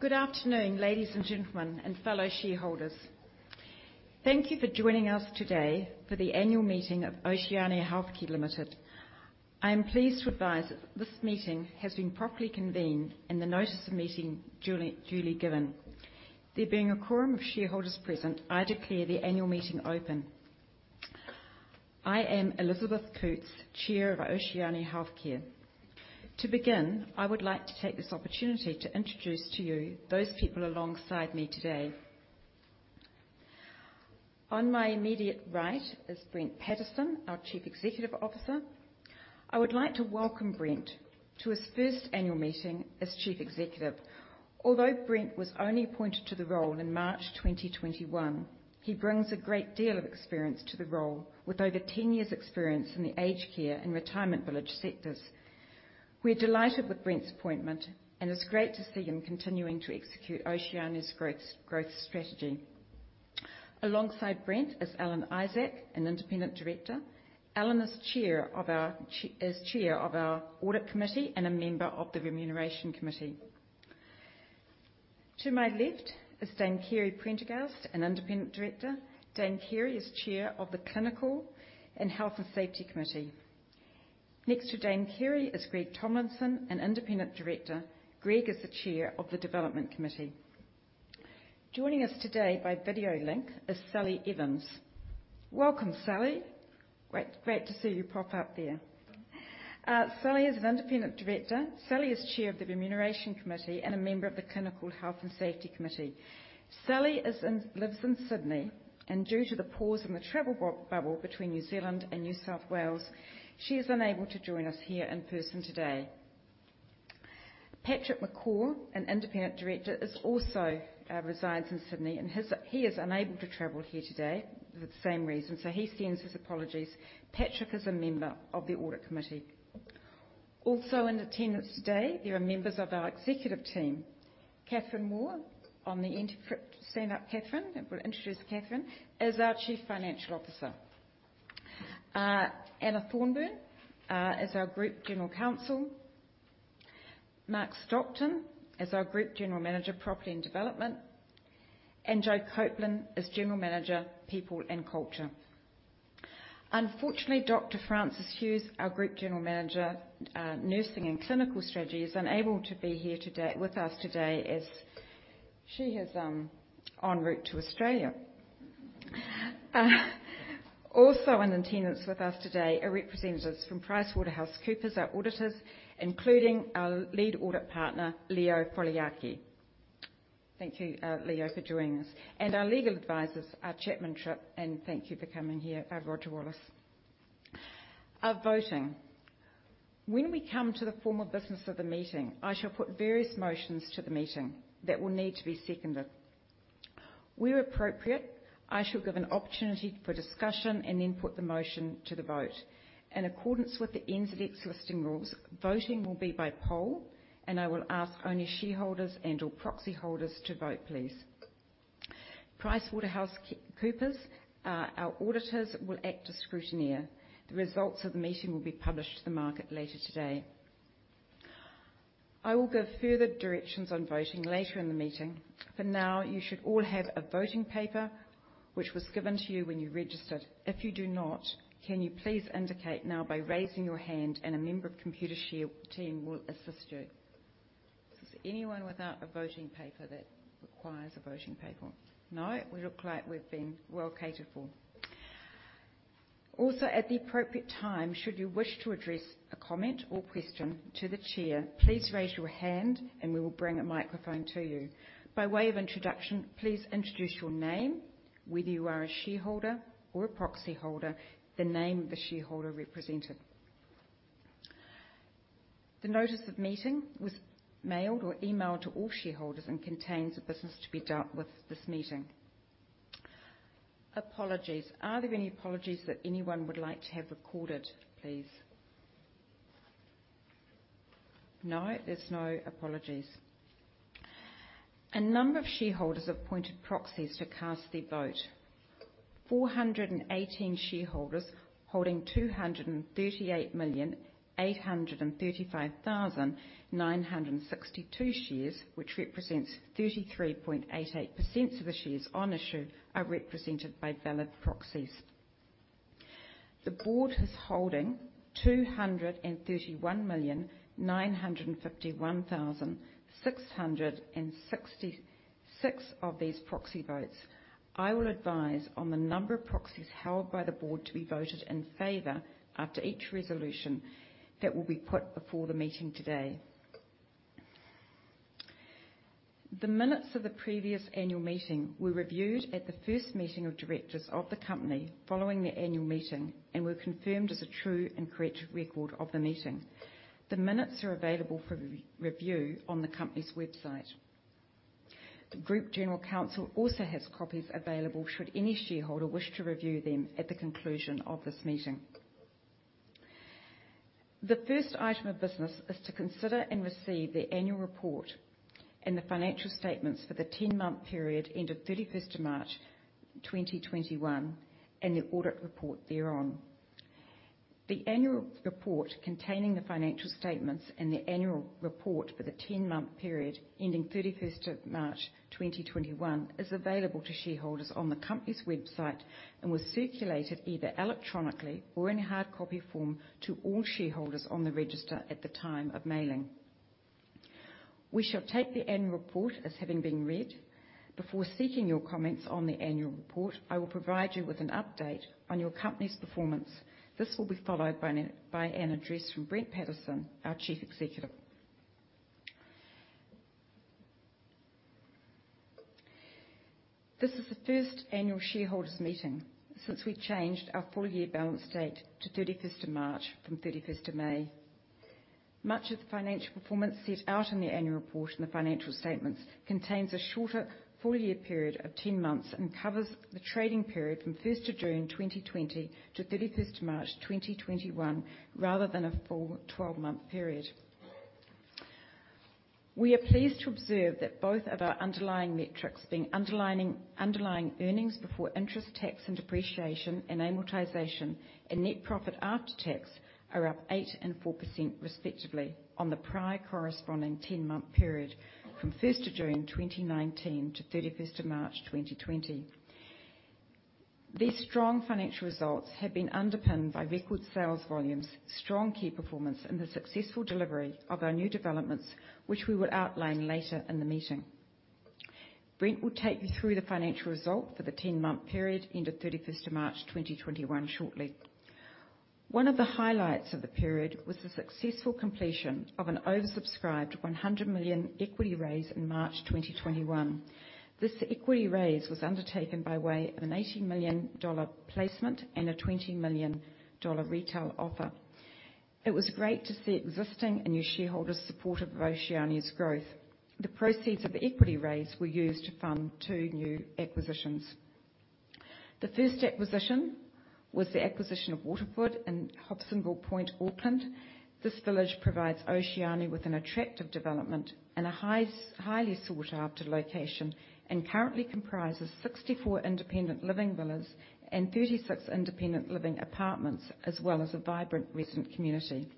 Good afternoon, ladies and gentlemen, and fellow shareholders. Thank you for joining us today for the annual meeting of Oceania Healthcare Limited. I am pleased to advise that this meeting has been properly convened and the notice of meeting duly given. There being a quorum of shareholders present, I declare the annual meeting open. I am Elizabeth Coutts, Chair of Oceania Healthcare. To begin, I would like to take this opportunity to introduce to you those people alongside me today. On my immediate right is Brent Pattison, our Chief Executive Officer. I would like to welcome Brent to his first annual meeting as Chief Executive. Although Brent was only appointed to the role in March 2021, he brings a great deal of experience to the role with over 10 years experience in the aged care and retirement village sectors. We're delighted with Brent's appointment, and it's great to see him continuing to execute Oceania's growth strategy. Alongside Brent is Alan Isaac, an independent director. Alan is chair of our audit committee and a member of the remuneration committee. To my left is Dame Kerry Prendergast, an independent director. Dame Kerry is chair of the clinical and health and safety committee. Next to Dame Kerry is Greg Tomlinson, an independent director. Greg is the chair of the development committee. Joining us today by video link is Sally Evans. Welcome, Sally. Great to see you pop up there. Sally is an independent director. Sally is chair of the remuneration committee and a member of the clinical health and safety committee. Sally lives in Sydney, and due to the pause in the travel bubble between New Zealand and New South Wales, she is unable to join us here in person today. Patrick McCawe, an Independent Director, also resides in Sydney, and he is unable to travel here today for the same reason, so he sends his apologies. Patrick is a member of the Audit Committee. Also in attendance today, there are members of our executive team. Kathryn Waugh on the end. Stand up, Kathryn. I've got to introduce Kathryn, is our Chief Financial Officer. Anna Thorburn is our Group General Counsel. Mark Stockton is our Group General Manager Property and Development, and Jo Copeland is General Manager, People and Culture. Unfortunately, Dr. Frances Hughes, our Group General Manager, Nursing and Clinical Strategy, is unable to be here with us today as she is en route to Australia. Also in attendance with us today are representatives from PricewaterhouseCoopers, our auditors, including our Lead Audit Partner, Leo Foliaki. Thank you, Leo, for joining us. Our legal advisors are Chapman Tripp, and thank you for coming here, Roger Wallis. Our voting. When we come to the formal business of the meeting, I shall put various motions to the meeting that will need to be seconded. Where appropriate, I shall give an opportunity for discussion and then put the motion to the vote. In accordance with the NZX listing rules, voting will be by poll, and I will ask only shareholders and/or proxy holders to vote, please. PricewaterhouseCoopers, our auditors, will act as scrutineer. The results of the meeting will be published to the market later today. I will give further directions on voting later in the meeting. For now, you should all have a voting paper which was given to you when you registered. If you do not, can you please indicate now by raising your hand and a member of Computershare team will assist you. Is anyone without a voting paper that requires a voting paper? No, we look like we've been well catered for. At the appropriate time, should you wish to address a comment or question to the Chair, please raise your hand and we will bring a microphone to you. By way of introduction, please introduce your name, whether you are a shareholder or a proxy holder, the name of the shareholder represented. The notice of meeting was mailed or emailed to all shareholders and contains the business to be dealt with this meeting. Apologies. Are there any apologies that anyone would like to have recorded, please? No, there's no apologies. A number of shareholders have appointed proxies to cast their vote. 418 shareholders holding 238,835,962 shares, which represents 33.88% of the shares on issue, are represented by valid proxies. The board is holding 231,951,666 of these proxy votes. I will advise on the number of proxies held by the board to be voted in favor after each resolution that will be put before the meeting today. The minutes of the previous annual meeting were reviewed at the first meeting of directors of the company following the annual meeting and were confirmed as a true and correct record of the meeting. The minutes are available for review on the company's website. The Group General Counsel also has copies available should any shareholder wish to review them at the conclusion of this meeting. The first item of business is to consider and receive the annual report and the financial statements for the 10-month period ended 31st of March 2021, and the audit report thereon. The annual report containing the financial statements and the annual report for the 10-month period ending 31st of March 2021 is available to shareholders on the company's website and was circulated either electronically or in hard copy form to all shareholders on the register at the time of mailing. We shall take the annual report as having been read. Before seeking your comments on the annual report, I will provide you with an update on your company's performance. This will be followed by an address from Brent Pattison, our Chief Executive. This is the first annual shareholders meeting since we changed our full year balance date to 31st of March from 31st of May. Much of the financial performance set out in the annual report and the financial statements contains a shorter full year period of 10 months and covers the trading period from 1st of June 2020 to 31st of March 2021, rather than a full 12-month period. We are pleased to observe that both of our underlying metrics being underlying earnings before interest, tax, and depreciation, and amortization, and net profit after tax, are up 8% and 4% respectively on the prior corresponding 10-month period from 1st of June 2019 to 31st of March 2020. These strong financial results have been underpinned by record sales volumes, strong key performance, and the successful delivery of our new developments, which we will outline later in the meeting. Brent will take you through the financial result for the 10-month period ending 31st of March 2021 shortly. One of the highlights of the period was the successful completion of an oversubscribed 100 million equity raise in March 2021. This equity raise was undertaken by way of an 80 million dollar placement and an 20 million dollar retail offer. It was great to see existing and new shareholders supportive of Oceania's growth. The proceeds of the equity raise were used to fund two new acquisitions. The first acquisition was the acquisition of Waterford in Hobsonville Point, Auckland. This village provides Oceania with an attractive development in a highly sought-after location and currently comprises 64 independent living villas and 36 independent living apartments, as well as a vibrant resident community.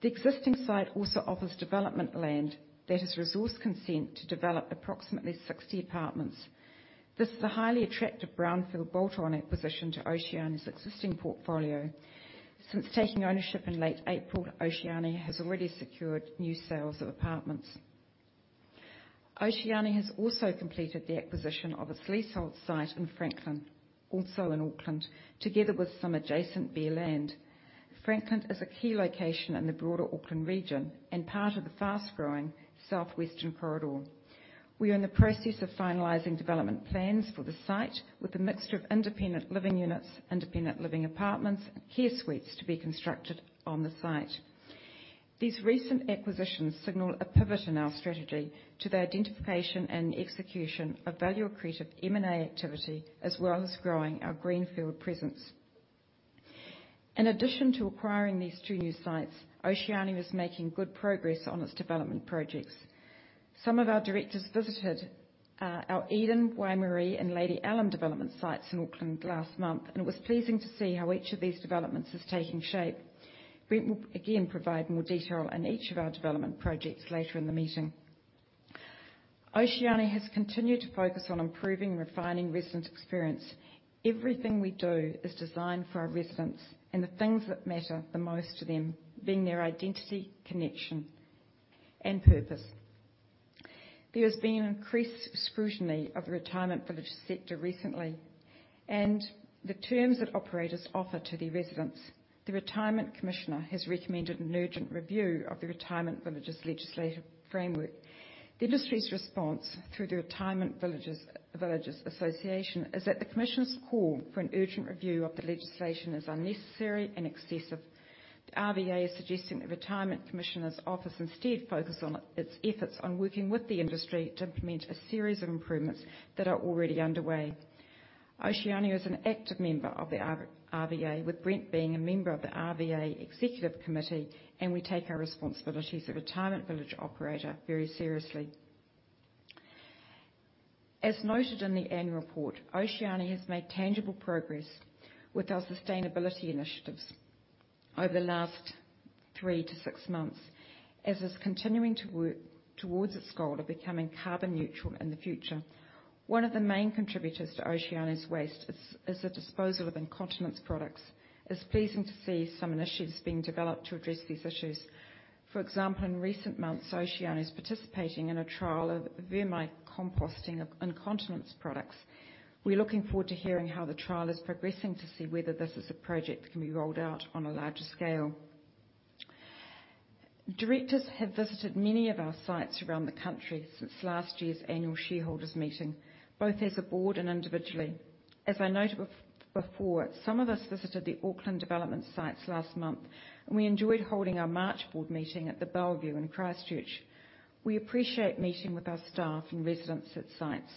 The existing site also offers development land that has resource consent to develop approximately 60 apartments. This is a highly attractive brownfield bolt-on acquisition to Oceania's existing portfolio. Since taking ownership in late April, Oceania has already secured new sales of apartments. Oceania has also completed the acquisition of its leasehold site in Franklin, also in Auckland, together with some adjacent bare land. Franklin is a key location in the broader Auckland region and part of the fast-growing southwestern corridor. We are in the process of finalizing development plans for the site with a mixture of independent living units, independent living apartments, and Care Suites to be constructed on the site. These recent acquisitions signal a pivot in our strategy to the identification and execution of value-accretive M&A activity, as well as growing our greenfield presence. In addition to acquiring these two new sites, Oceania is making good progress on its development projects. Some of our directors visited our Eden, Waimarie, and Lady Allum development sites in Auckland last month, and it was pleasing to see how each of these developments is taking shape. Brent will again provide more detail on each of our development projects later in the meeting. Oceania has continued to focus on improving and refining resident experience. Everything we do is designed for our residents and the things that matter the most to them, being their identity, connection, and purpose. There has been increased scrutiny of the retirement village sector recently, and the terms that operators offer to their residents. The retirement commissioner has recommended an urgent review of the retirement villages legislative framework. The industry's response through the Retirement Villages Association is that the commission's call for an urgent review of the legislation is unnecessary and excessive. The RVA is suggesting the Retirement Commissioner's Office instead focus its efforts on working with the industry to implement a series of improvements that are already underway. Oceania is an active member of the RVA, with Brent being a member of the RVA Executive Committee. We take our responsibilities as a retirement village operator very seriously. As noted in the annual report, Oceania has made tangible progress with our sustainability initiatives over the last three to six months, as it's continuing to work towards its goal of becoming carbon neutral in the future. One of the main contributors to Oceania's waste is the disposal of incontinence products. It's pleasing to see some initiatives being developed to address these issues. For example, in recent months, Oceania is participating in a trial of vermicomposting of incontinence products. We're looking forward to hearing how the trial is progressing to see whether this is a project that can be rolled out on a larger scale. Directors have visited many of our sites around the country since last year's annual shareholders meeting, both as a board and individually. As I noted before, some of us visited the Auckland development sites last month, and we enjoyed holding our March board meeting at the Bellevue in Christchurch. We appreciate meeting with our staff and residents at sites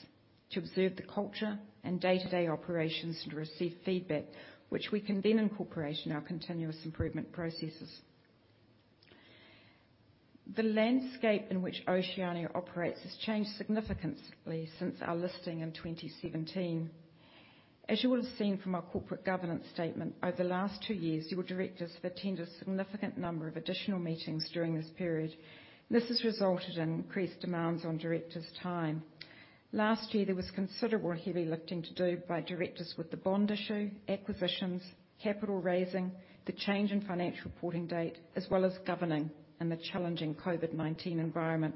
to observe the culture and day-to-day operations and receive feedback, which we can then incorporate in our continuous improvement processes. The landscape in which Oceania operates has changed significantly since our listing in 2017. As you would have seen from our corporate governance statement, over the last two years, your directors have attended a significant number of additional meetings during this period. This has resulted in increased demands on directors' time. Last year, there was considerable heavy lifting to do by directors with the bond issue, acquisitions, capital raising, the change in financial reporting date, as well as governing in the challenging COVID-19 environment.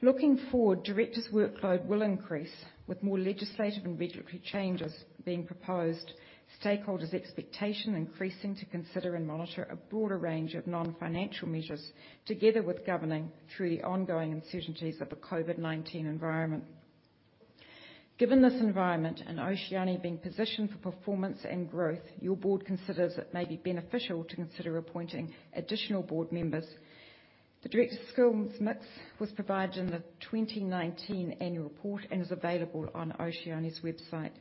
Looking forward, directors' workload will increase with more legislative and regulatory changes being proposed, stakeholders' expectation increasing to consider and monitor a broader range of non-financial measures together with governing through the ongoing uncertainties of a COVID-19 environment. Given this environment and Oceania being positioned for performance and growth, your board considers it may be beneficial to consider appointing additional board members. The directors' skills mix was provided in the 2019 annual report and is available on Oceania's website.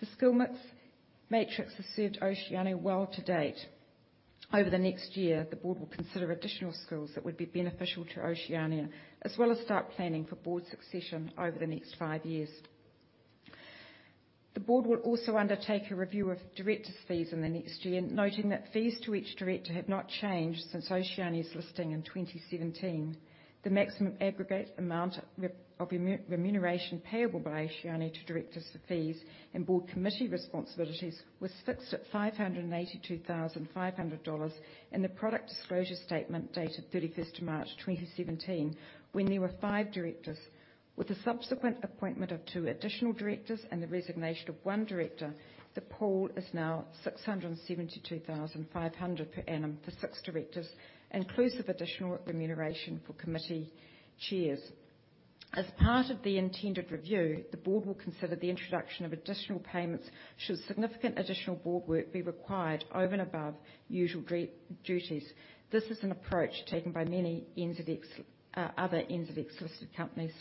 The skills matrix has served Oceania well to date. Over the next year, the board will consider additional skills that would be beneficial to Oceania as well as start planning for board succession over the next five years. The board will also undertake a review of directors' fees in the next year, noting that fees to each director have not changed since Oceania's listing in 2017. The maximum aggregate amount of remuneration payable by Oceania to directors for fees and board committee responsibilities was fixed at 582,500 dollars in the product disclosure statement dated 31st of March 2017, when there were five directors. With the subsequent appointment of two additional directors and the resignation of one director, the pool is now 672,500 per annum for six directors, inclusive additional remuneration for committee chairs. As part of the intended review, the board will consider the introduction of additional payments should significant additional board work be required over and above usual duties. This is an approach taken by many other NZX-listed companies.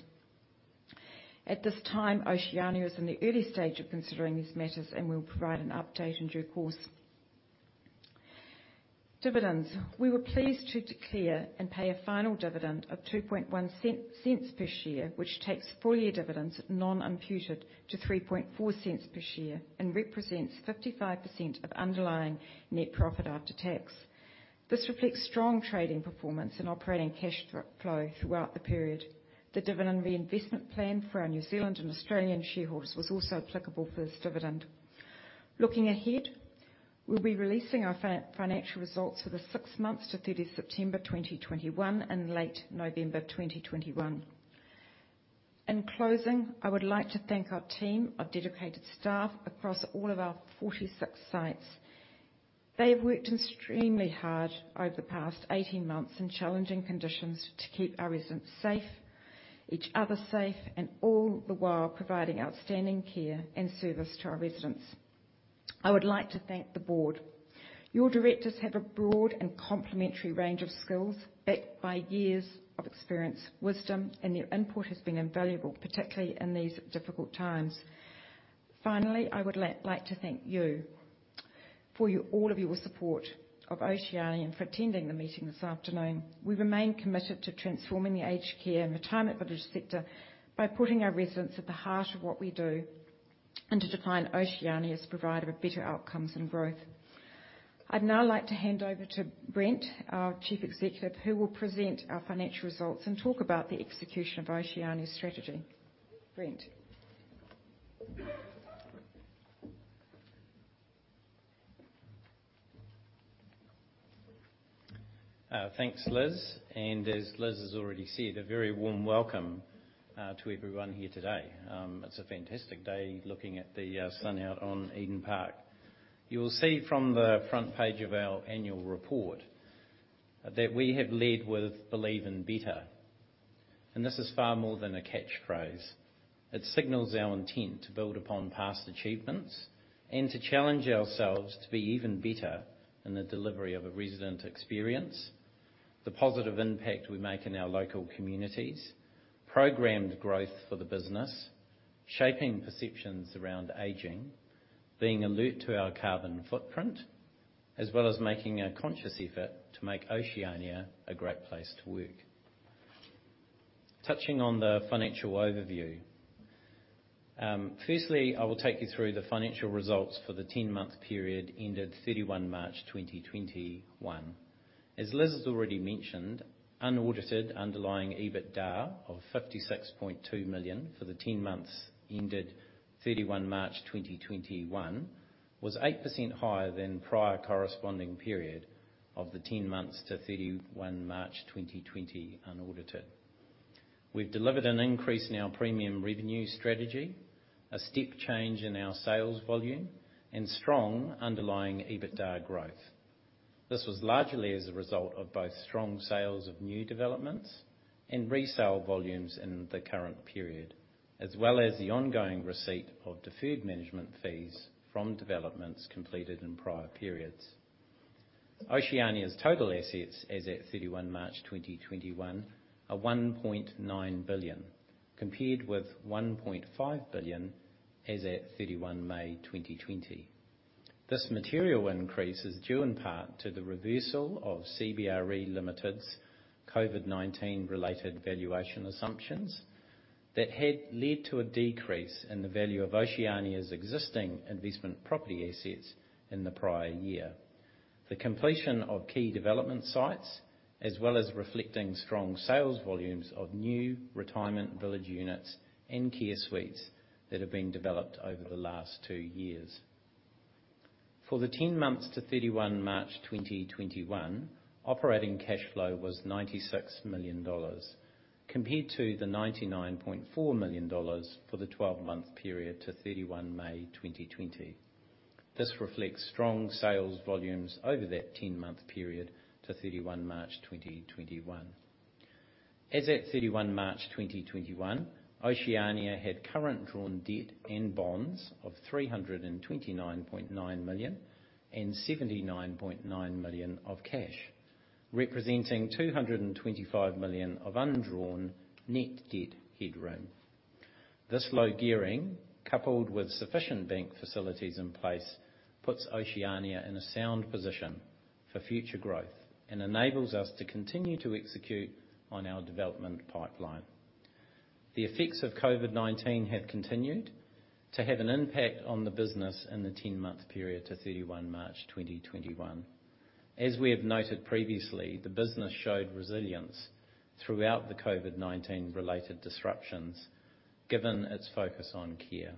At this time, Oceania is in the early stage of considering these matters, and we'll provide an update in due course. Dividends. We were pleased to declare and pay a final dividend of 0.021 per share, which takes full-year dividends non-imputed to 0.034 per share and represents 55% of underlying net profit after tax. This reflects strong trading performance and operating cash flow throughout the period. The dividend reinvestment plan for our New Zealand and Australian shareholders was also applicable for this dividend. Looking ahead, we'll be releasing our financial results for the six months to 30 September 2021 in late November 2021. In closing, I would like to thank our team, our dedicated staff across all of our 46 sites. They've worked extremely hard over the past 18 months in challenging conditions to keep our residents safe, each other safe, and all the while providing outstanding care and service to our residents. I would like to thank the board. Your directors have a broad and complementary range of skills backed by years of experience, wisdom, and your input has been invaluable, particularly in these difficult times. Finally, I would like to thank you for all of your support of Oceania and for attending the meeting this afternoon. We remain committed to transforming the aged care and retirement village sector by putting our residents at the heart of what we do and to define Oceania as a provider of better outcomes and growth. I'd now like to hand over to Brent, our Chief Executive, who will present our financial results and talk about the execution of Oceania's strategy. Brent. Thanks, Liz. As Liz has already said, a very warm welcome to everyone here today. It's a fantastic day looking at the sun out on Eden Park. You will see from the front page of our annual report that we have led with Believe in Better. This is far more than a catchphrase. It signals our intent to build upon past achievements and to challenge ourselves to be even better in the delivery of a resident experience, the positive impact we make in our local communities, programmed growth for the business, shaping perceptions around aging, being alert to our carbon footprint, as well as making a conscious effort to make Oceania a great place to work. Touching on the financial overview. Firstly, I will take you through the financial results for the 10-month period ended 31 March 2021. As Liz has already mentioned, unaudited underlying EBITDA of 56.2 million for the 10 months ended 31 March 2021 was 8% higher than prior corresponding period of the 10 months to 31 March 2020 unaudited. We've delivered an increase in our premium revenue strategy, a step change in our sales volume, and strong underlying EBITDA growth. This was largely as a result of both strong sales of new developments and resale volumes in the current period, as well as the ongoing receipt of deferred management fees from developments completed in prior periods. Oceania's total assets as at 31 March 2021 are 1.9 billion, compared with 1.5 billion as at 31 May 2020. This material increase is due in part to the reversal of CBRE Limited's COVID-19 related valuation assumptions that had led to a decrease in the value of Oceania's existing investment property assets in the prior year. The completion of key development sites, as well as reflecting strong sales volumes of new retirement village units and Care Suites that have been developed over the last two years. For the 10 months to 31 March 2021, operating cash flow was 96 million dollars, compared to the 99.4 million dollars for the 12-month period to 31 May 2020. This reflects strong sales volumes over that 10-month period to 31 March 2021. As at 31 March 2021, Oceania had current drawn debt and bonds of 329.9 million and 79.9 million of cash, representing 225 million of undrawn net debt headroom. This low gearing, coupled with sufficient bank facilities in place, puts Oceania in a sound position for future growth and enables us to continue to execute on our development pipeline. The effects of COVID-19 have continued to have an impact on the business in the 10-month period to 31 March 2021. As we have noted previously, the business showed resilience throughout the COVID-19 related disruptions, given its focus on care.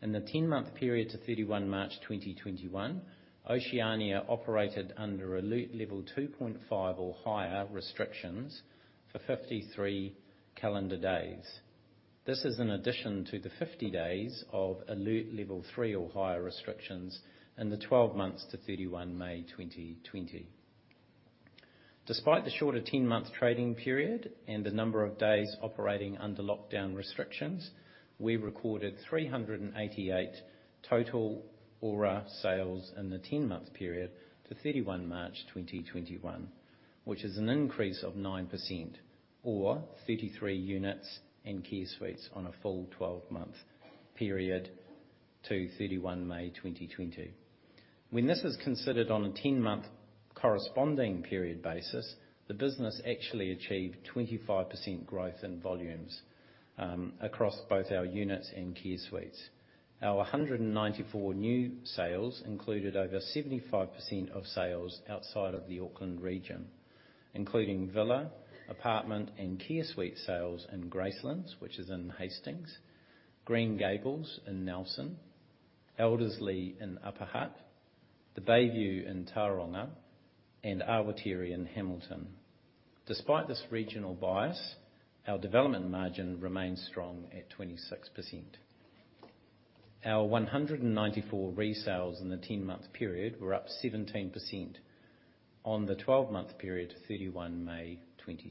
In the 10-month period to 31 March 2021, Oceania operated under Alert Level 2.5 or higher restrictions for 53 calendar days. This is an addition to the 50 days of Alert Level 3 or higher restrictions in the 12 months to 31 May 2020. Despite the shorter 10-month trading period and the number of days operating under lockdown restrictions, we recorded 388 total ORA sales in the 10-month period to 31 March 2021, which is an increase of 9% or 33 units and Care Suites on a full 12-month period to 31 May 2020. When this is considered on a 10-month corresponding period basis, the business actually achieved 25% growth in volumes across both our units and Care Suites. Our 194 new sales included over 75% of sales outside of the Auckland region, including villa, apartment, and Care Suites sales in Gracelands, which is in Hastings, Green Gables in Nelson, Elderslie in Upper Hutt, The Bayview in Tauranga, and Awatere in Hamilton. Despite this regional bias, our development margin remains strong at 26%. Our 194 resales in the 10-month period were up 17% on the 12-month period to 31 May 2020. It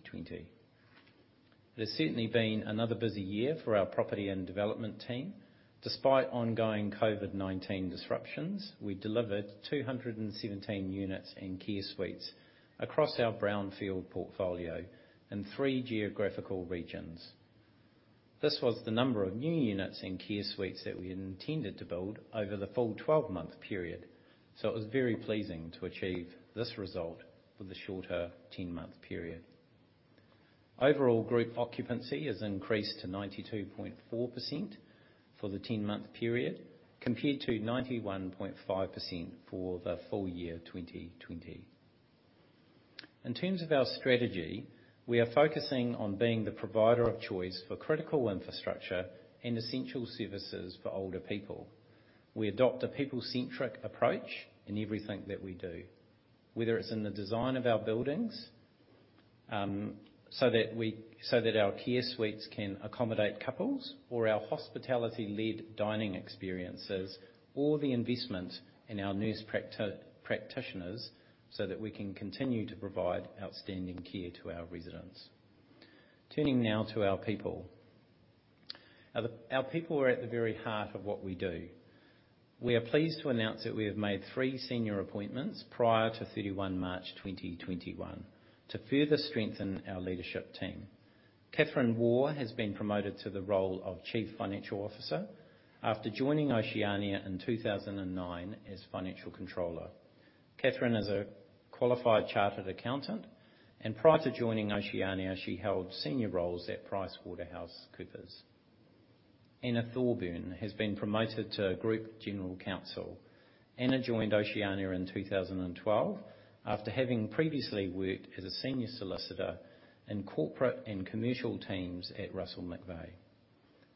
has certainly been another busy year for our property and development team. Despite ongoing COVID-19 disruptions, we delivered 217 units in Care Suites across our brownfield portfolio in three geographical regions. This was the number of new units in Care Suites that we had intended to build over the full 12-month period, so it was very pleasing to achieve this result for the shorter 10-month period. Overall group occupancy has increased to 92.4% for the 10-month period, compared to 91.5% for the full year 2020. In terms of our strategy, we are focusing on being the provider of choice for critical infrastructure and essential services for older people. We adopt a people-centric approach in everything that we do, whether it's in the design of our buildings, so that our Care Suites can accommodate couples, or our hospitality-led dining experiences, or the investment in our nurse practitioners so that we can continue to provide outstanding care to our residents. Turning now to our people. Our people are at the very heart of what we do. We are pleased to announce that we have made three senior appointments prior to 31 March 2021 to further strengthen our leadership team. Kathryn Waugh has been promoted to the role of chief financial officer after joining Oceania in 2009 as financial controller. Kathryn is a qualified chartered accountant, and prior to joining Oceania, she held senior roles at PricewaterhouseCoopers. Anna Thorburn has been promoted to group general counsel. Anna joined Oceania in 2012 after having previously worked as a Senior Solicitor in Corporate and Commercial Teams at Russell McVeagh.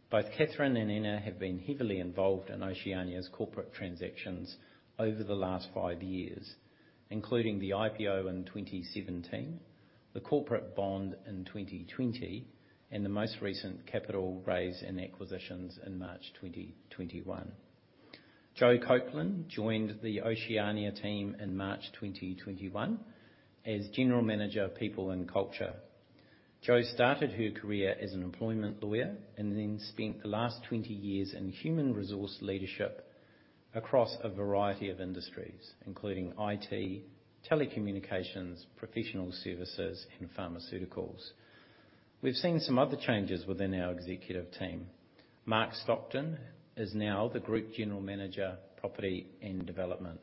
Both Kathryn and Anna have been heavily involved in Oceania's corporate transactions over the last five years, including the IPO in 2017, the corporate bond in 2020, and the most recent capital raise and acquisitions in March 2021. Jo Copeland joined the Oceania team in March 2021 as General Manager of People and Culture. Jo started her career as an employment lawyer and then spent the last 20 years in human resource leadership across a variety of industries, including IT, telecommunications, professional services, and pharmaceuticals. We've seen some other changes within our executive team. Mark Stockton is now the Group General Manager, Property and Development.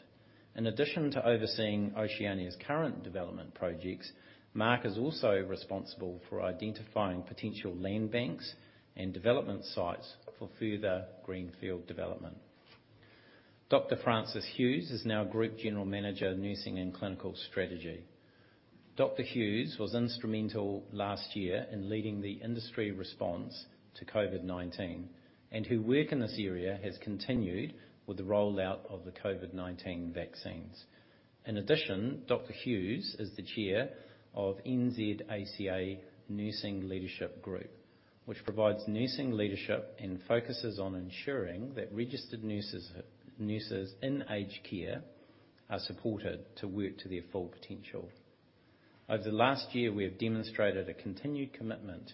In addition to overseeing Oceania's current development projects, Mark is also responsible for identifying potential land banks and development sites for further greenfield development. Dr. Frances Hughes is now Group General Manager, Nursing and Clinical Strategy. Dr. Hughes was instrumental last year in leading the industry response to COVID-19, and her work in this area has continued with the rollout of the COVID-19 vaccines. In addition, Dr. Hughes is the Chair of NZACA Nursing Leadership Group, which provides nursing leadership and focuses on ensuring that registered nurses in aged care are supported to work to their full potential. Over the last year, we have demonstrated a continued commitment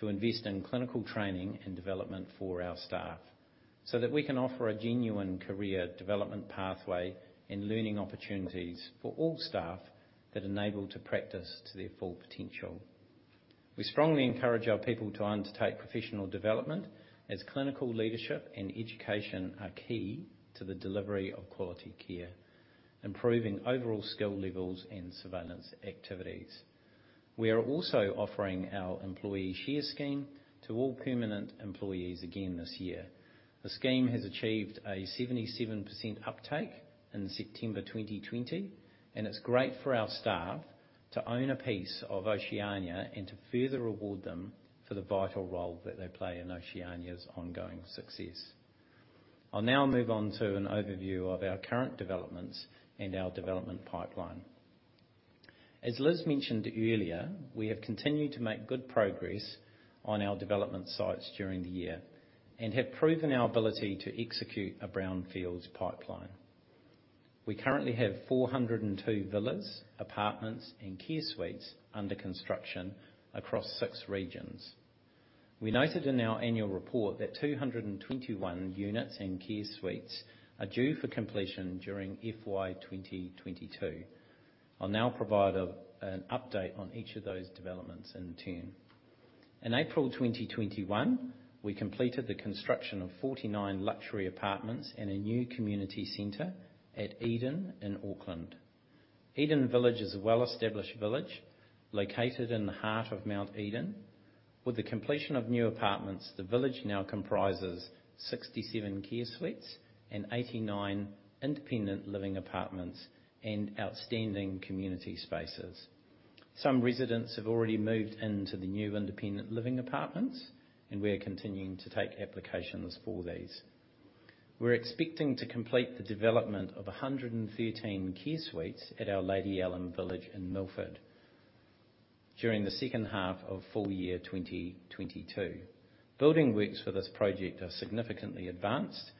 to invest in clinical training and development for our staff so that we can offer a genuine career development pathway and learning opportunities for all staff that enable to practice to their full potential. We strongly encourage our people to undertake professional development as clinical leadership and education are key to the delivery of quality care, improving overall skill levels and surveillance activities. We are also offering our employee share scheme to all permanent employees again this year. The scheme has achieved a 77% uptake in September 2020, and it's great for our staff to own a piece of Oceania and to further reward them for the vital role that they play in Oceania's ongoing success. I'll now move on to an overview of our current developments and our development pipeline. As Liz mentioned earlier, we have continued to make good progress on our development sites during the year and have proven our ability to execute a brownfields pipeline. We currently have 402 villas, apartments, and Care Suites under construction across six regions. We noted in our annual report that 221 units and Care Suites are due for completion during FY 2022. I'll now provide an update on each of those developments in turn. In April 2021, we completed the construction of 49 luxury apartments and a new community center at Eden in Auckland. Eden Village is a well-established village located in the heart of Mount Eden. With the completion of new apartments, the village now comprises 67 Care Suites and 89 independent living apartments and outstanding community spaces. Some residents have already moved into the new independent living apartments. We are continuing to take applications for these. We're expecting to complete the development of 113 Care Suites at our Lady Allum Village in Milford during the second half of full year 2022. Building works for this project are significantly advanced,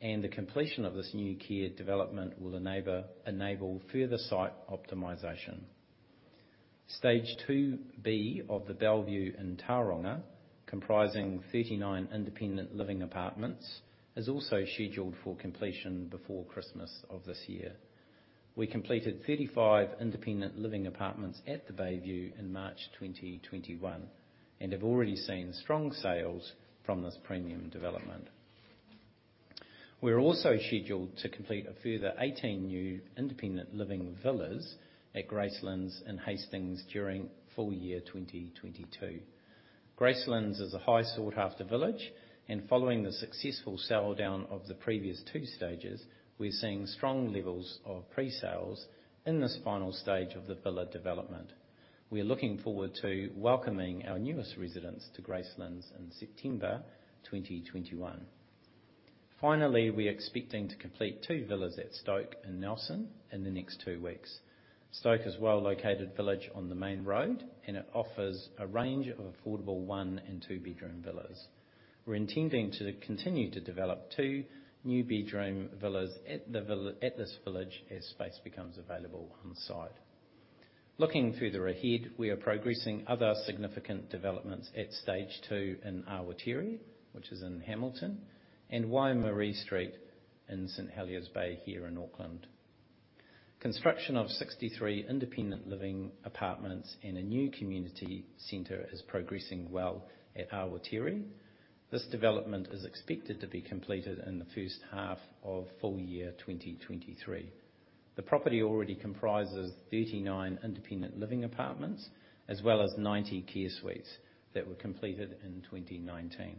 and the completion of this new care development will enable further site optimization. Stage 2B of the Bellevue in Tauranga, comprising 39 independent living apartments, is also scheduled for completion before Christmas of this year. We completed 35 independent living apartments at the Bay View in March 2021 and have already seen strong sales from this premium development. We're also scheduled to complete a further 18 new independent living villas at Gracelands in Hastings during full year 2022. Gracelands is a highly sought-after village, and following the successful sell down of the previous two stages, we're seeing strong levels of pre-sales in this final stage of the villa development. We are looking forward to welcoming our newest residents to Gracelands in September 2021. We are expecting to complete two villas at Stoke in Nelson in the next two weeks. Stoke is a well-located village on the main road. It offers a range of affordable one and two-bedroom villas. We're intending to continue to develop two new bedroom villas at this village as space becomes available on-site. Looking further ahead, we are progressing other significant developments at stage two in Awatere, which is in Hamilton, and Waimarie Street in St. Heliers Bay here in Auckland. Construction of 63 independent living apartments and a new community center is progressing well at Awatere. This development is expected to be completed in the first half of full year 2023. The property already comprises 39 independent living apartments, as well as 90 Care Suites that were completed in 2019.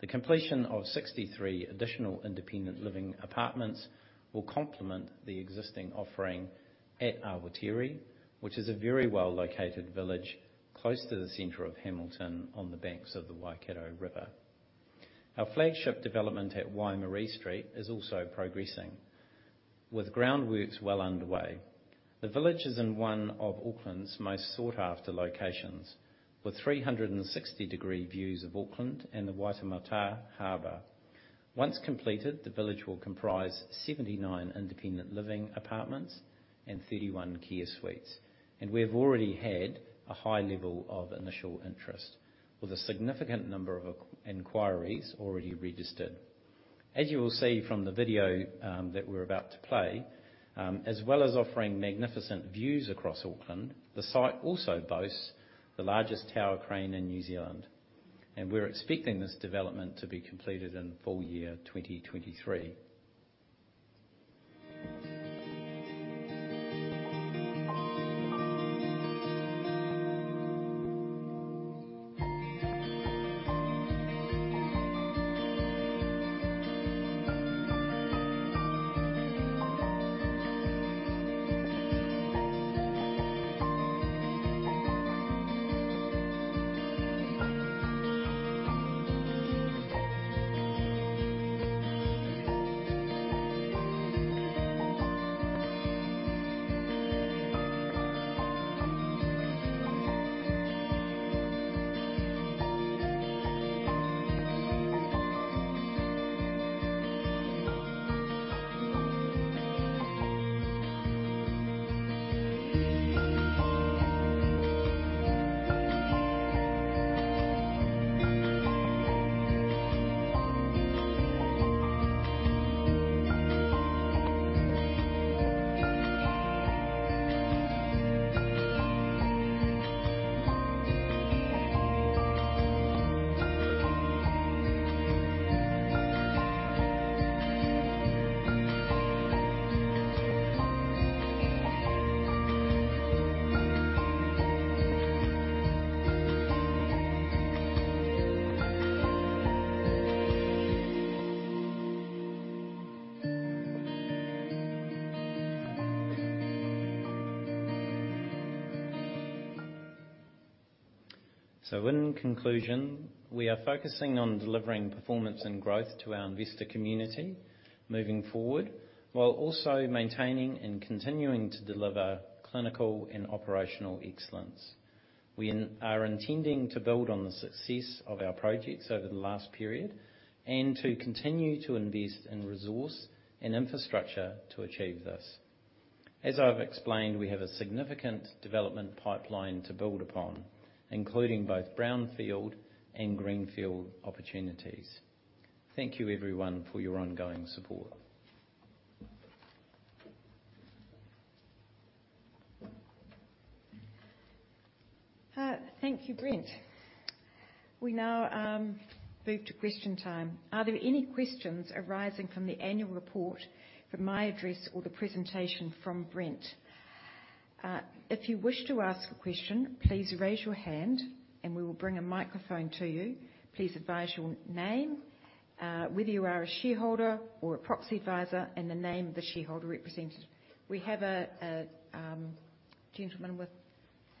The completion of 63 additional independent living apartments will complement the existing offering at Awatere, which is a very well-located village close to the center of Hamilton on the banks of the Waikato River. Our flagship development at Waimarie Street is also progressing, with groundworks well underway. The village is in one of Auckland's most sought-after locations, with 360-degree views of Auckland and the Waitematā Harbor. Once completed, the village will comprise 79 independent living apartments and 31 Care Suites, and we've already had a high level of initial interest, with a significant number of inquiries already registered. As you will see from the video that we're about to play, as well as offering magnificent views across Auckland, the site also boasts the largest tower crane in New Zealand, and we're expecting this development to be completed in full year 2023. In conclusion, we are focusing on delivering performance and growth to our investor community moving forward, while also maintaining and continuing to deliver clinical and operational excellence. We are intending to build on the success of our projects over the last period and to continue to invest in resource and infrastructure to achieve this. As I've explained, we have a significant development pipeline to build upon, including both brownfield and greenfield opportunities. Thank you everyone for your ongoing support. Thank you, Brent. We now move to question time. Are there any questions arising from the annual report, from my address, or the presentation from Brent? If you wish to ask a question, please raise your hand and we will bring a microphone to you. Please advise your name, whether you are a shareholder or a proxy advisor, and the name of the shareholder represented. We have a gentleman with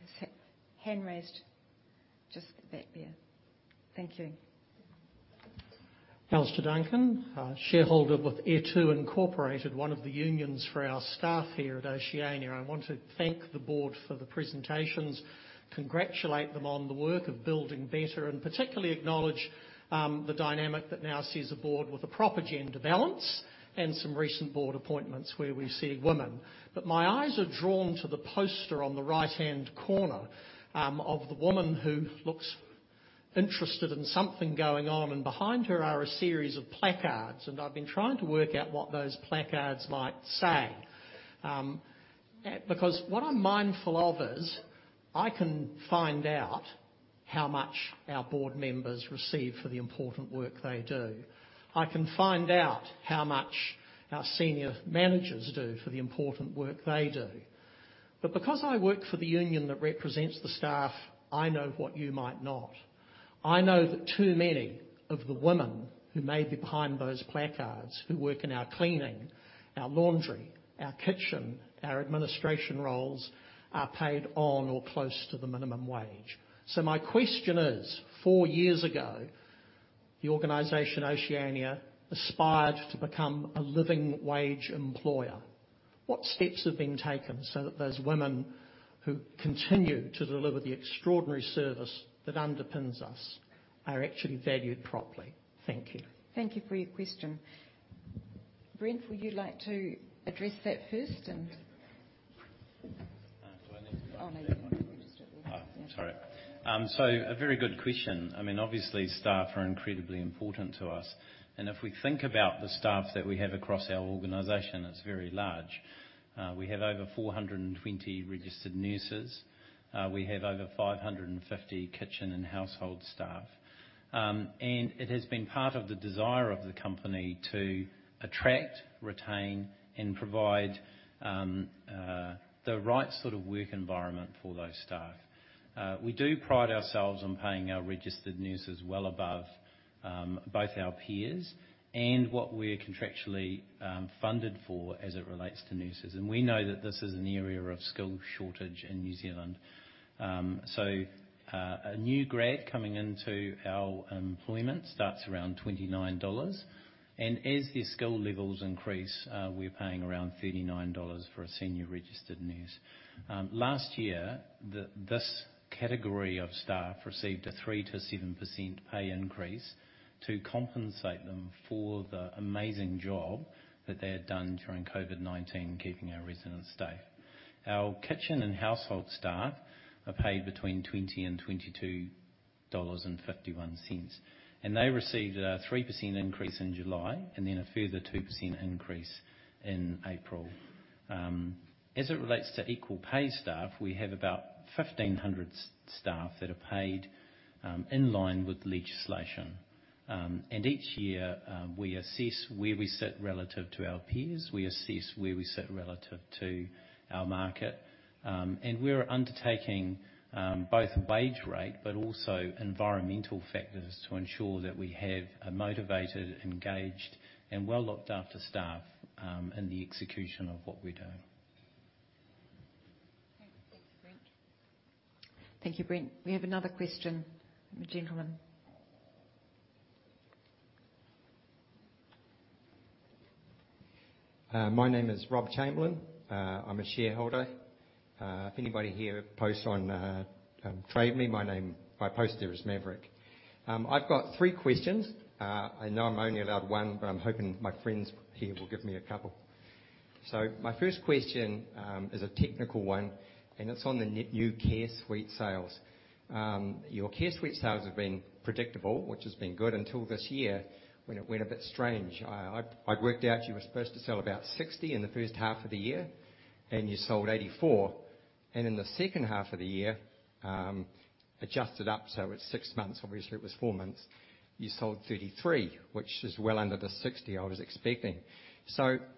his hand raised just back there. Thank you. Alastair Duncan, shareholder with E tū Incorporated, one of the unions for our staff here at Oceania. I want to thank the board for the presentations, congratulate them on the work of building better, and particularly acknowledge the dynamic that now sees a board with a proper gender balance and some recent board appointments where we see women. My eyes are drawn to the poster on the right-hand corner of the woman who looks interested in something going on, and behind her are a series of placards, and I've been trying to work out what those placards might say. What I'm mindful of is I can find out how much our board members receive for the important work they do. I can find out how much our senior managers do for the important work they do. Because I work for the union that represents the staff, I know what you might not. I know that too many of the women who may be behind those placards, who work in our cleaning, our laundry, our kitchen, our administration roles, are paid on or close to the minimum wage. My question is, four years ago, the organization Oceania aspired to become a living wage employer. What steps have been taken so that those women who continue to deliver the extraordinary service that underpins us are actually valued properly? Thank you. Thank you for your question. Brent, would you like to address that first? Do I need. Oh. Sorry. A very good question. Obviously, staff are incredibly important to us, and if we think about the staff that we have across our organization, it's very large. We have over 420 registered nurses. We have over 550 kitchen and household staff. It has been part of the desire of the company to attract, retain, and provide the right sort of work environment for those staff. We do pride ourselves on paying our registered nurses well above both our peers and what we're contractually funded for as it relates to nurses. We know that this is an area of skill shortage in New Zealand. A new grad coming into our employment starts around 29 dollars, and as their skill levels increase, we're paying around 39 dollars for a senior registered nurse. Last year, this category of staff received a 3%-7% pay increase to compensate them for the amazing job that they had done during COVID-19 keeping our residents safe. Our kitchen and household staff are paid between 20 and 22.51 dollars. They received a 3% increase in July, and then a further 2% increase in April. As it relates to equal pay staff, we have about 1,500 staff that are paid in line with legislation. Each year, we assess where we sit relative to our peers, we assess where we sit relative to our market. We're undertaking both wage rate, but also environmental factors to ensure that we have a motivated, engaged, and well looked after staff in the execution of what we're doing. Thanks, Brent. Thank you, Brent. We have another question from a gentleman. My name is Rob Chamberlain. I am a shareholder. If anybody here posts on Trade Me, my post there is Maverick. I have got three questions. I know I am only allowed one, but I am hoping my friends here will give me a couple. My first question is a technical one, and it is on the net new Care Suite sales. Your Care Suite sales have been predictable, which has been good until this year when it went a bit strange. I had worked out you were supposed to sell about 60 in the first half of the year, and you sold 84. In the second half of the year, adjusted up, so it is six months, obviously it was four months, you sold 33, which is well under the 60 I was expecting.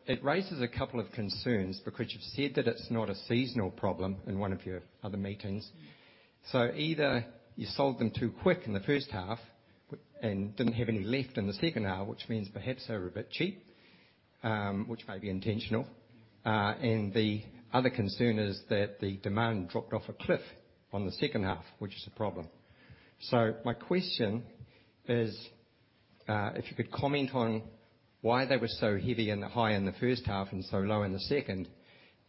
It raises a couple of concerns because you've said that it's not a seasonal problem in one of your other meetings. Either you sold them too quick in the first half and didn't have any left in the second half, which means perhaps they were a bit cheap, which may be intentional. The other concern is that the demand dropped off a cliff on the second half, which is a problem. My question is, if you could comment on why they were so heavy and high in the first half and so low in the second.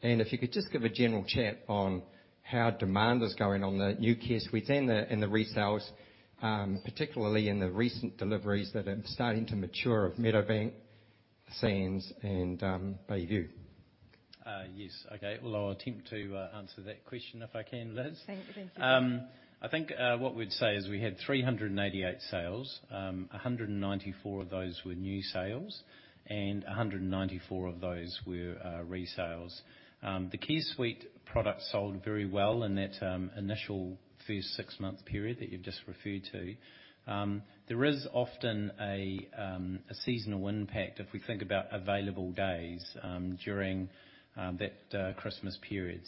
If you could just give a general chat on how demand is going on the new Care Suites and the resales, particularly in the recent deliveries that are starting to mature of Meadowbank, Sands, and Bayview. Yes. Okay. Well, I'll attempt to answer that question if I can, Liz. Thank you, Brent. I think what we'd say is we had 388 sales. 194 of those were new sales, and 194 of those were resales. The Care Suite product sold very well in that initial first six-month period that you've just referred to. There is often a seasonal impact if we think about available days during that Christmas period.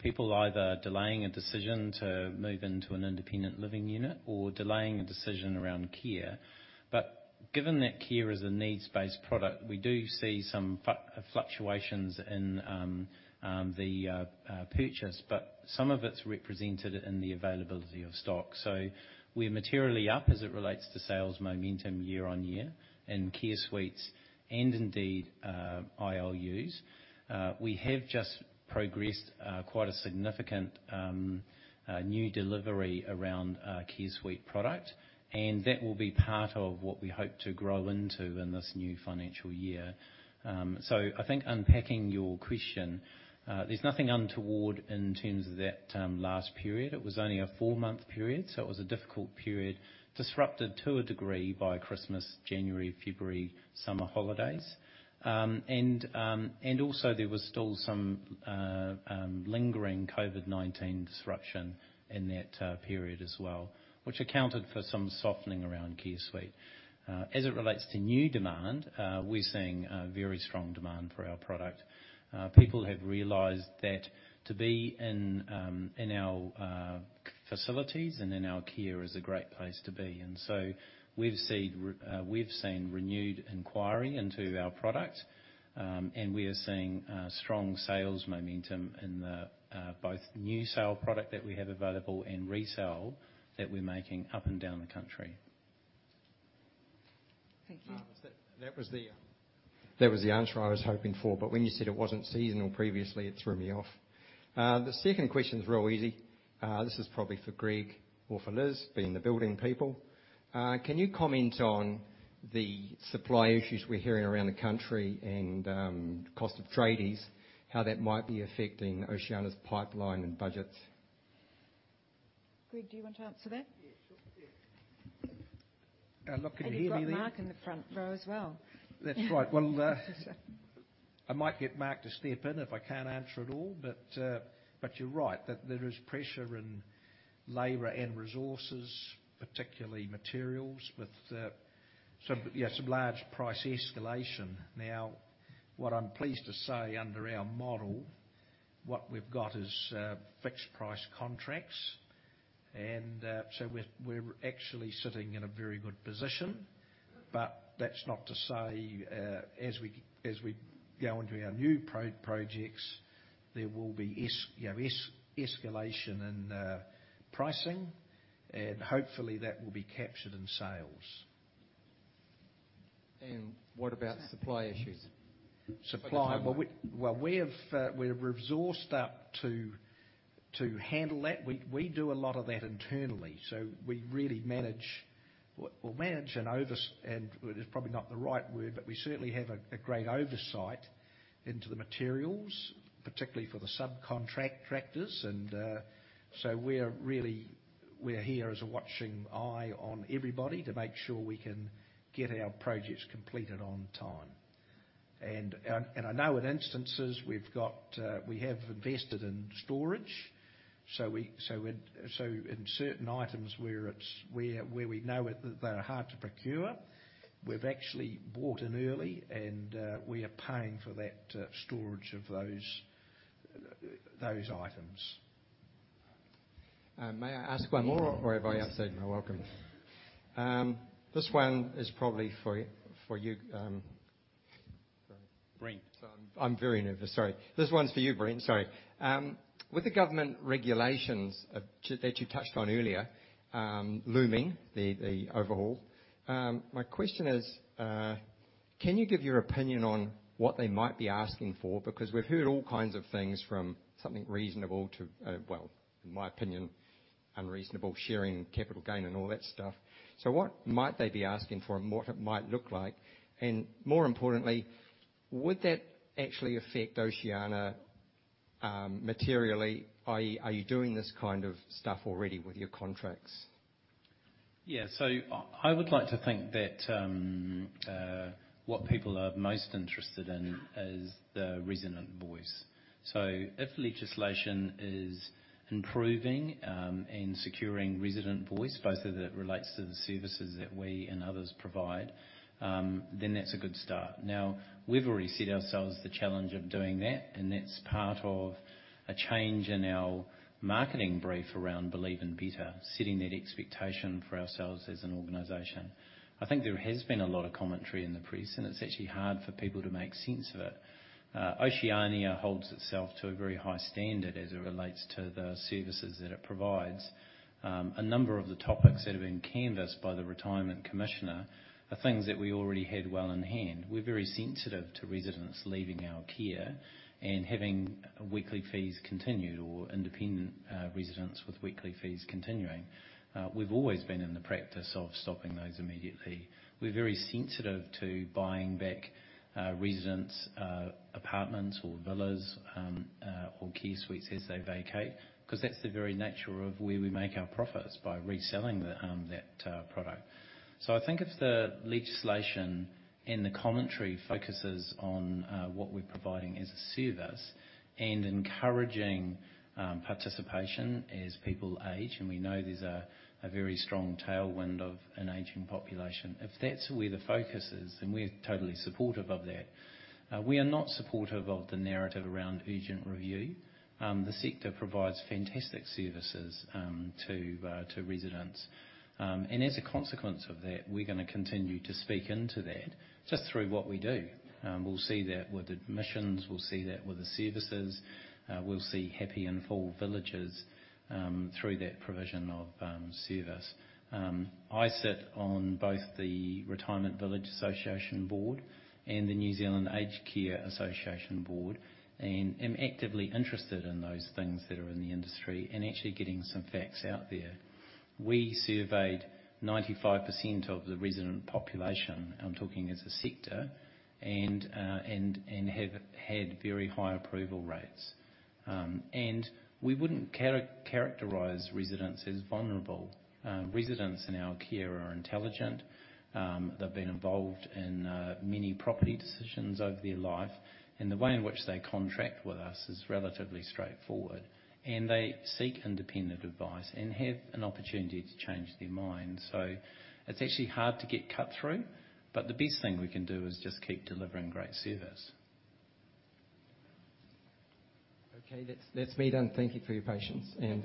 People either delaying a decision to move into an independent living unit or delaying a decision around care. Given that care is a needs-based product, we do see some fluctuations in the purchase. Some of it's represented in the availability of stock. We're materially up as it relates to sales momentum year-on-year in Care Suites and indeed ILUs. We have just progressed quite a significant new delivery around Care Suite product. That will be part of what we hope to grow into in this new financial year. I think unpacking your question, there's nothing untoward in terms of that last period. It was only a four-month period, so it was a difficult period, disrupted to a degree by Christmas, January, February summer holidays. Also there was still some lingering COVID-19 disruption in that period as well, which accounted for some softening around Care Suite. As it relates to new demand, we're seeing very strong demand for our product. People have realized that to be in our facilities and in our care is a great place to be. We've seen renewed inquiry into our product, and we are seeing strong sales momentum in both new sale product that we have available and resale that we're making up and down the country. Thank you. That was the answer I was hoping for. When you said it wasn't seasonal previously, it threw me off. The second question's real easy. This is probably for Greg or for Liz, being the building people. Can you comment on the supply issues we're hearing around the country and cost of tradies, how that might be affecting Oceania's pipeline and budgets? Greg, do you want to answer that? Yeah, sure. Yeah. I'm not going to hear anything. You've got Mark in the front row as well. That's right. Well, I might get Mark to step in if I can't answer it all. You're right, that there is pressure in labor and resources, particularly materials, with some large price escalation. Now, what I'm pleased to say under our model, what we've got is fixed price contracts. We're actually sitting in a very good position. That's not to say, as we go into our new projects, there will be escalation in pricing. Hopefully, that will be captured in sales. What about supply issues? Supply. Well, we're resourced up to handle that. We do a lot of that internally. We really manage. It's probably not the right word, but we certainly have a great oversight into the materials, particularly for the subcontractors. We're here as a watching eye on everybody to make sure we can get our projects completed on time. I know in instances we have invested in storage. In certain items where we know they're hard to procure, we've actually bought in early, and we are paying for that storage of those items. May I ask one more? By all means. This one is probably for you, Brent. I'm very nervous, sorry. This one's for you, Brent. Sorry. With the government regulations that you touched on earlier looming, the overhaul, my question is, can you give your opinion on what they might be asking for? We've heard all kinds of things from something reasonable to, well, in my opinion, unreasonable sharing, capital gain, and all that stuff. What might they be asking for and what it might look like? More importantly, would that actually affect Oceania materially? Are you doing this kind of stuff already with your contracts? Yeah. I would like to think that what people are most interested in is the resident voice. If legislation is improving and securing resident voice, both as it relates to the services that we and others provide, then that's a good start. Now, we've already set ourselves the challenge of doing that, and that's part of a change in our marketing brief around Believe in Better, setting that expectation for ourselves as an organization. I think there has been a lot of commentary in the press, and it's actually hard for people to make sense of it. Oceania holds itself to a very high standard as it relates to the services that it provides. A number of the topics that have been canvassed by the retirement commissioner are things that we already had well in hand. We're very sensitive to residents leaving our care and having weekly fees continued or independent residents with weekly fees continuing. We've always been in the practice of stopping those immediately. We're very sensitive to buying back residents' apartments or villas or Care Suites as they vacate because that's the very nature of where we make our profits by reselling that product. I think if the legislation and the commentary focuses on what we're providing as a service and encouraging participation as people age, and we know there's a very strong tailwind of an aging population, if that's where the focus is, then we're totally supportive of that. We are not supportive of the narrative around urgent review. The sector provides fantastic services to residents. As a consequence of that, we're going to continue to speak into that just through what we do. We'll see that with admissions, we'll see that with the services, we'll see happy and full villages through that provision of service. I sit on both the Retirement Villages Association board and the New Zealand Aged Care Association board, and am actively interested in those things that are in the industry and actually getting some facts out there. We surveyed 95% of the resident population, I'm talking as a sector, and have had very high approval rates. We wouldn't characterize residents as vulnerable. Residents in our care are intelligent. They've been involved in many property decisions over their life, and the way in which they contract with us is relatively straightforward, and they seek independent advice and have an opportunity to change their mind. It's actually hard to get cut through, but the best thing we can do is just keep delivering great service. Okay. That's me done. Thank you for your patience, and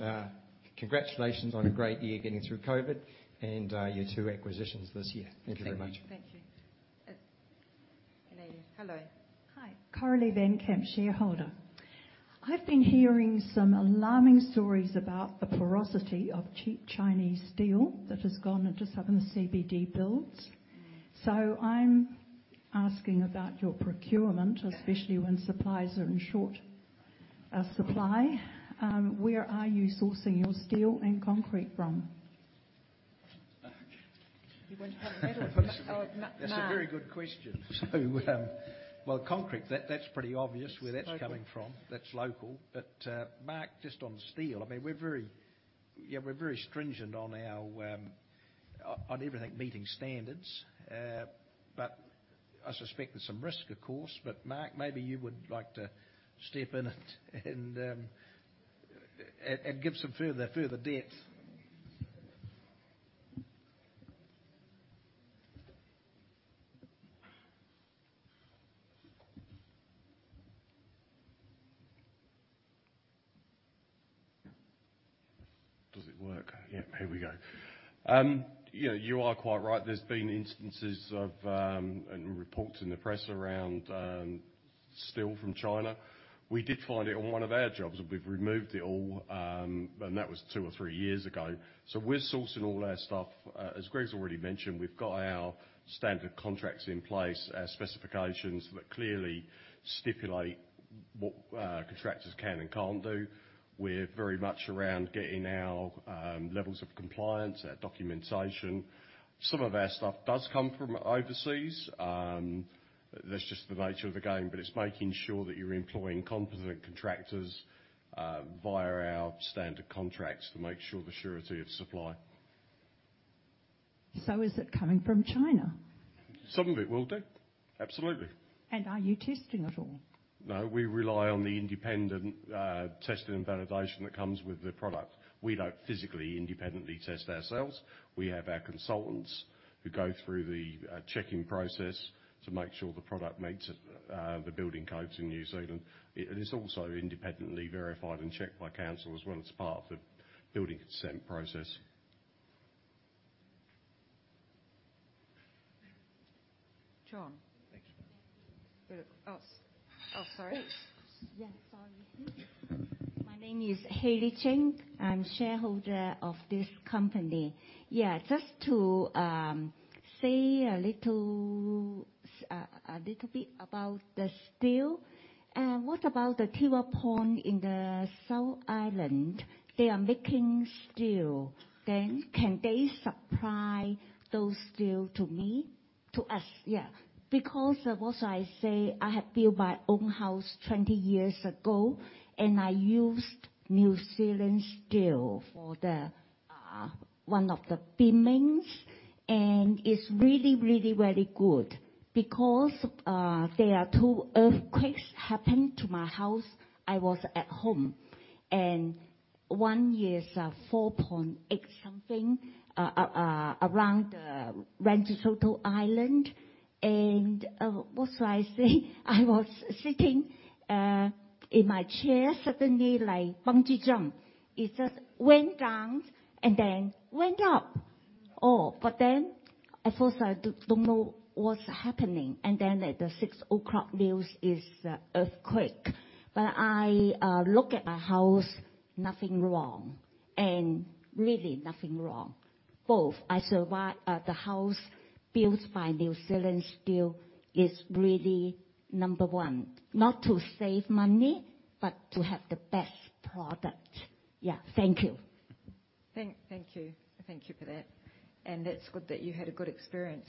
congratulations on a great year getting through COVID and your two acquisitions this year. Thank you very much. Thank you. Hello. Hi. Carly VanCamp, shareholder. I've been hearing some alarming stories about the porosity of cheap Chinese steel that has gone into southern CBD builds. I'm asking about your procurement, especially when supplies are in short supply. Where are you sourcing your steel and concrete from? That's a very good question. Well, concrete, that's pretty obvious where that's coming from. Local. That's local. Mark, just on steel, we're very stringent on everything meeting standards. I suspect there's some risk, of course, but Mark, maybe you would like to step in and give some further depth. Does it work? Yeah, here we go. You are quite right. There's been instances of reports in the press around steel from China. We did find it on one of our jobs, and we've removed it all, and that was two or three years ago. We're sourcing all our stuff, as Greg's already mentioned, we've got our standard contracts in place, our specifications that clearly stipulate what contractors can and can't do. We're very much around getting our levels of compliance, our documentation. Some of our stuff does come from overseas, that's just the nature of the game. It's making sure that you're employing competent contractors via our standard contracts to make sure of the surety of supply. Is it coming from China? Some of it will do. Absolutely. Are you testing it all? No, we rely on the independent testing and validation that comes with the product. We don't physically independently test ourselves. We have our consultants who go through the checking process to make sure the product meets the building codes in New Zealand. It's also independently verified and checked by council as well as part of building consent process. John. Okay. Oh, sorry. Sorry. My name is Hayley Ching. I'm shareholder of this company. Just to say a little bit about the steel. What about the Tiwai Point in the South Island? They are making steel. Can they supply those steel to me, to us? Yeah. What should I say, I had built my own house 20 years ago, and I used New Zealand Steel for one of the beamings, and it's really good. There are two earthquakes happened to my house, I was at home, and one is 4.8 something, around the Rangitoto Island. What should I say? I was sitting in my chair suddenly like bungee jump. It just went down and then went up. At first I don't know what's happening. At the 6:00 P.M. news is earthquake. When I look at the house, nothing wrong. Really nothing wrong. Both. The house built by New Zealand Steel is really number one. Not to save money, but to have the best product. Yeah. Thank you. Thank you. Thank you for that. That's good that you had a good experience.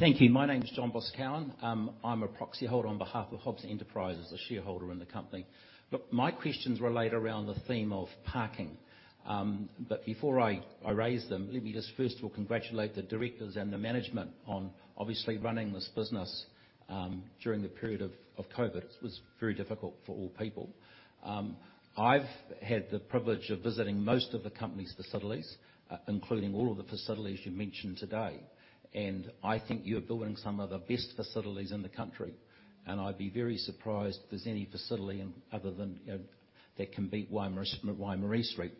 Thank you. My name's John Boscawen. I'm a proxy holder on behalf of Hobbs Enterprises, a shareholder in the company. Look, my questions relate around the theme of parking. Before I raise them, let me just first of all congratulate the directors and the management on obviously running this business during the period of COVID. It was very difficult for all people. I've had the privilege of visiting most of the company's facilities, including all of the facilities you mentioned today. I think you're building some of the best facilities in the country, and I'd be very surprised if there's any facility that can beat Waimarie Street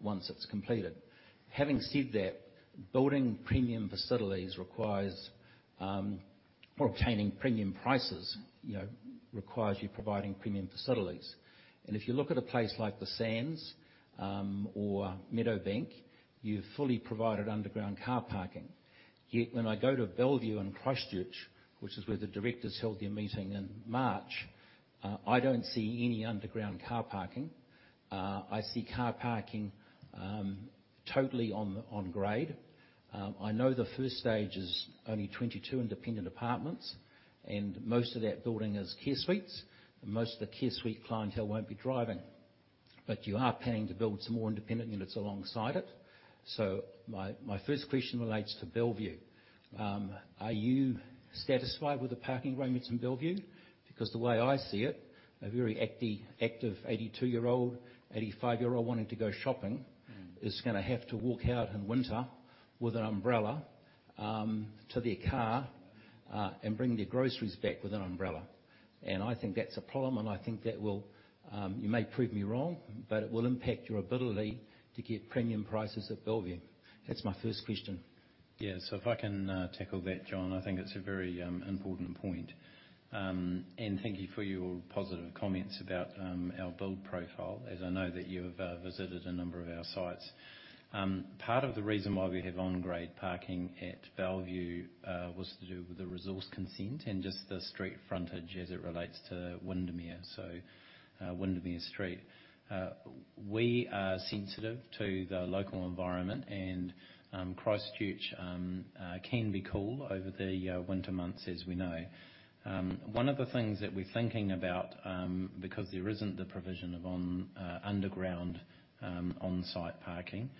once it's completed. Having said that, building premium facilities requires obtaining premium prices, requires you providing premium facilities. If you look at a place like The Sands or Meadowbank, you've fully provided underground car parking. Yet when I go to Bellevue in Christchurch, which is where the directors held their meeting in March, I don't see any underground car parking. I see car parking totally on grade. I know the first stage is only 22 independent apartments, and most of that building is Care Suites, and most of the Care Suite clientele won't be driving. You are planning to build some more independent units alongside it. My first question relates to Bellevue. Are you satisfied with the parking arrangements in Bellevue? The way I see it, a very active 82-year-old, 85-year-old wanting to go shopping is going to have to walk out in winter with an umbrella to their car and bring their groceries back with an umbrella. I think that's a problem, and I think that will, you may prove me wrong, but it will impact your ability to get premium prices at Bellevue. That's my first question. Yeah. If I can tackle that, John, I think it's a very important point. Thank you for your positive comments about our build profile, as I know that you have visited a number of our sites. Part of the reason why we have on-grade parking at Bellevue was to do with the resource consent and just the street frontage as it relates to Windermere, so Windermere Street. We are sensitive to the local environment, and Christchurch can be cool over the winter months, as we know. One of the things that we're thinking about, because there isn't the provision of underground on-site parking,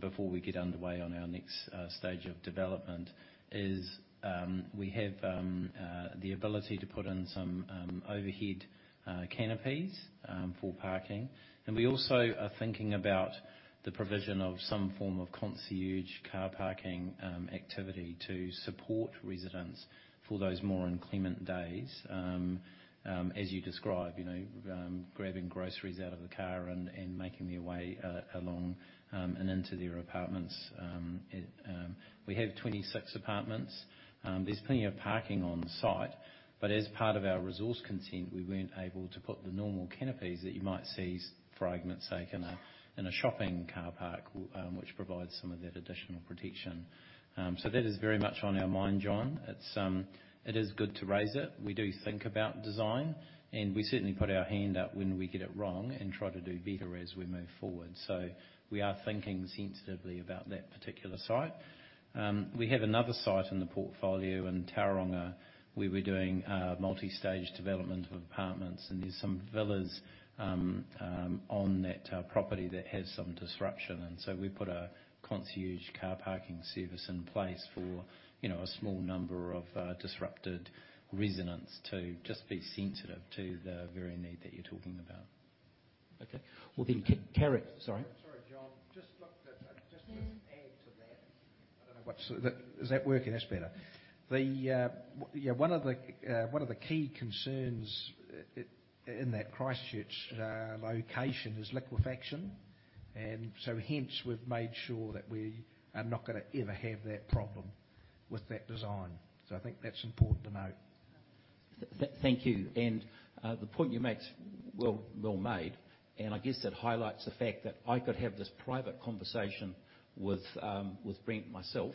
before we get underway on our next stage of development, is we have the ability to put in some overhead canopies for parking. We also are thinking about the provision of some form of concierge car parking activity to support residents for those more inclement days, as you describe, grabbing groceries out of the car and making their way along and into their apartments. We have 26 apartments. There's plenty of parking on the site. As part of our resource consent, we weren't able to put the normal canopies that you might see, for argument's sake, in a shopping car park, which provides some of that additional protection. That is very much on our mind, John. It is good to raise it. We do think about design, and we certainly put our hand up when we get it wrong and try to do better as we move forward. We are thinking sensitively about that particular site. We have another site in the in Tauranga, we were doing a multi-stage development of apartments. There's some villas on that property that has some disruption. We put a concierge car parking service in place for a small number of disrupted residents to just be sensitive to the very need that you're talking about. Okay. Well, Sorry. Sorry, John. Just to add to that. I don't know which Is that working? That's better. One of the key concerns in that Christchurch location is liquefaction. We've made sure that we are not going to ever have that problem with that design. I think that's important to note. Thank you. The point you make, well made, and I guess it highlights the fact that I could have this private conversation with Brent myself,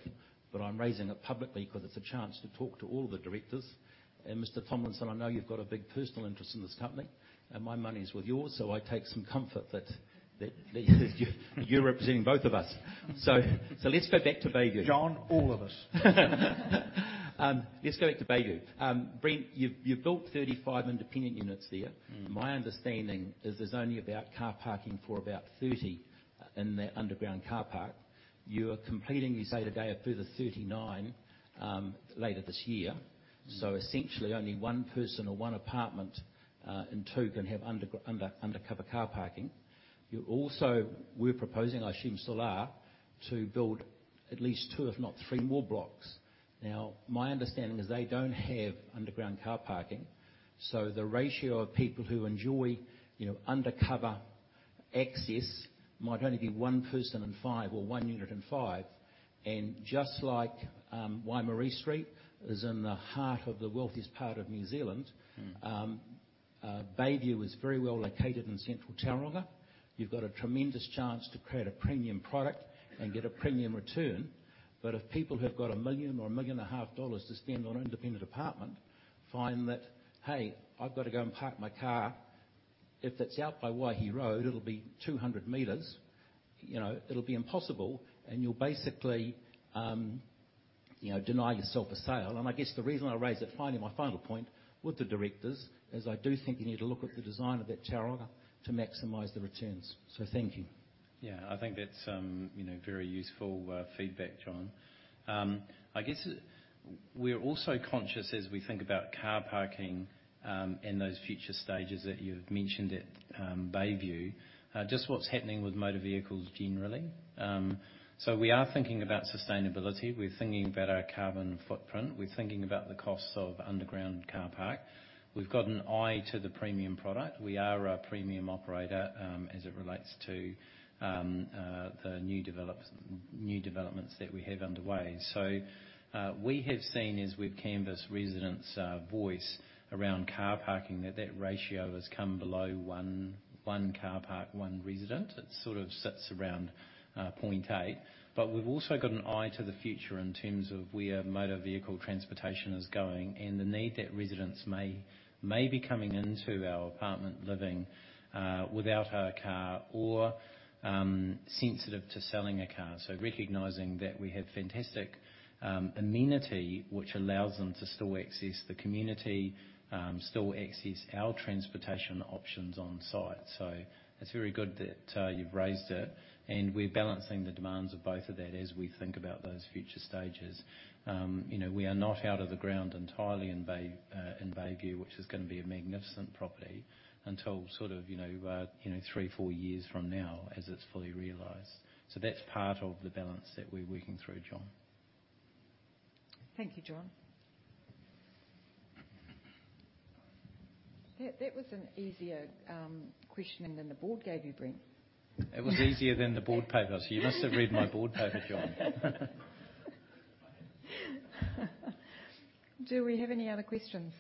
but I'm raising it publicly because it's a chance to talk to all the directors. Mr. Tomlinson, I know you've got a big personal interest in this company. My money is with yours, so I take some comfort that you're representing both of us. Let's go back to Bayview. John, all of us. Let's go back to Bayview. Brent, you've built 35 independent units there. My understanding is there's only about car parking for about 30 in that underground car park. You are completing, you say today, a further 39 later this year. Essentially, only one person or one apartment in two can have undercover car parking. You also were proposing, I assume, solar to build at least two, if not three more blocks. My understanding is they don't have underground car parking, the ratio of people who enjoy undercover access might only be one person in five or one unit in five. Just like Waimarie Street is in the heart of the wealthiest part of New Zealand. Bayview is very well located in central Tauranga. You've got a tremendous chance to create a premium product and get a premium return. If people who have got 1 million or 1.5 million to spend on an independent apartment find that, "Hey, I've got to go and park my car." If it's out by Waihi Road, it'll be 200 meters. It'll be impossible, and you'll basically deny yourself a sale. I guess the reason I raise it, finally, my final point with the directors is I do think you need to look at the design of that Tauranga to maximize the returns. Thank you. Yeah. I think that's very useful feedback, John. I guess we're also conscious as we think about car parking, and those future stages that you've mentioned at Bayview, just what's happening with motor vehicles generally. We are thinking about sustainability. We're thinking about our carbon footprint. We're thinking about the costs of underground car park. We've got an eye to the premium product. We are a premium operator, as it relates to the new developments that we have underway. We have seen as we've canvassed residents' voice around car parking, that that ratio has come below one car park, one resident. It sort of sits around 0.8. We've also got an eye to the future in terms of where motor vehicle transportation is going and the need that residents may be coming into our apartment living, without a car or sensitive to selling a car. Recognizing that we have fantastic amenity which allows them to still access the community, still access our transportation options on site. It's very good that you've raised it, and we're balancing the demands of both of that as we think about those future stages. We are not out of the ground entirely in Bayview, which is going to be a magnificent property until sort of three, four years from now as it's fully realized. That's part of the balance that we're working through, John. Thank you, John. That was an easier questioning than the board gave you, Brent. It was easier than the board paper. You must have read my board paper, John. Do we have any other questions?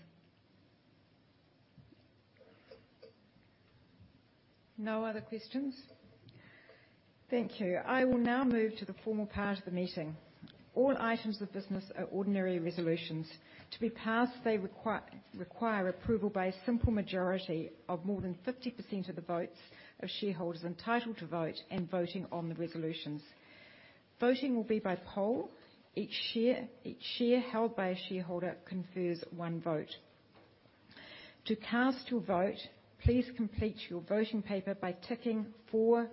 No other questions. Thank you. I will now move to the formal part of the meeting. All items of business are ordinary resolutions. To be passed, they require approval by a simple majority of more than 50% of the votes of shareholders entitled to vote and voting on the resolutions. Voting will be by poll. Each share held by a shareholder confers one vote. To cast your vote, please complete your voting paper by ticking for,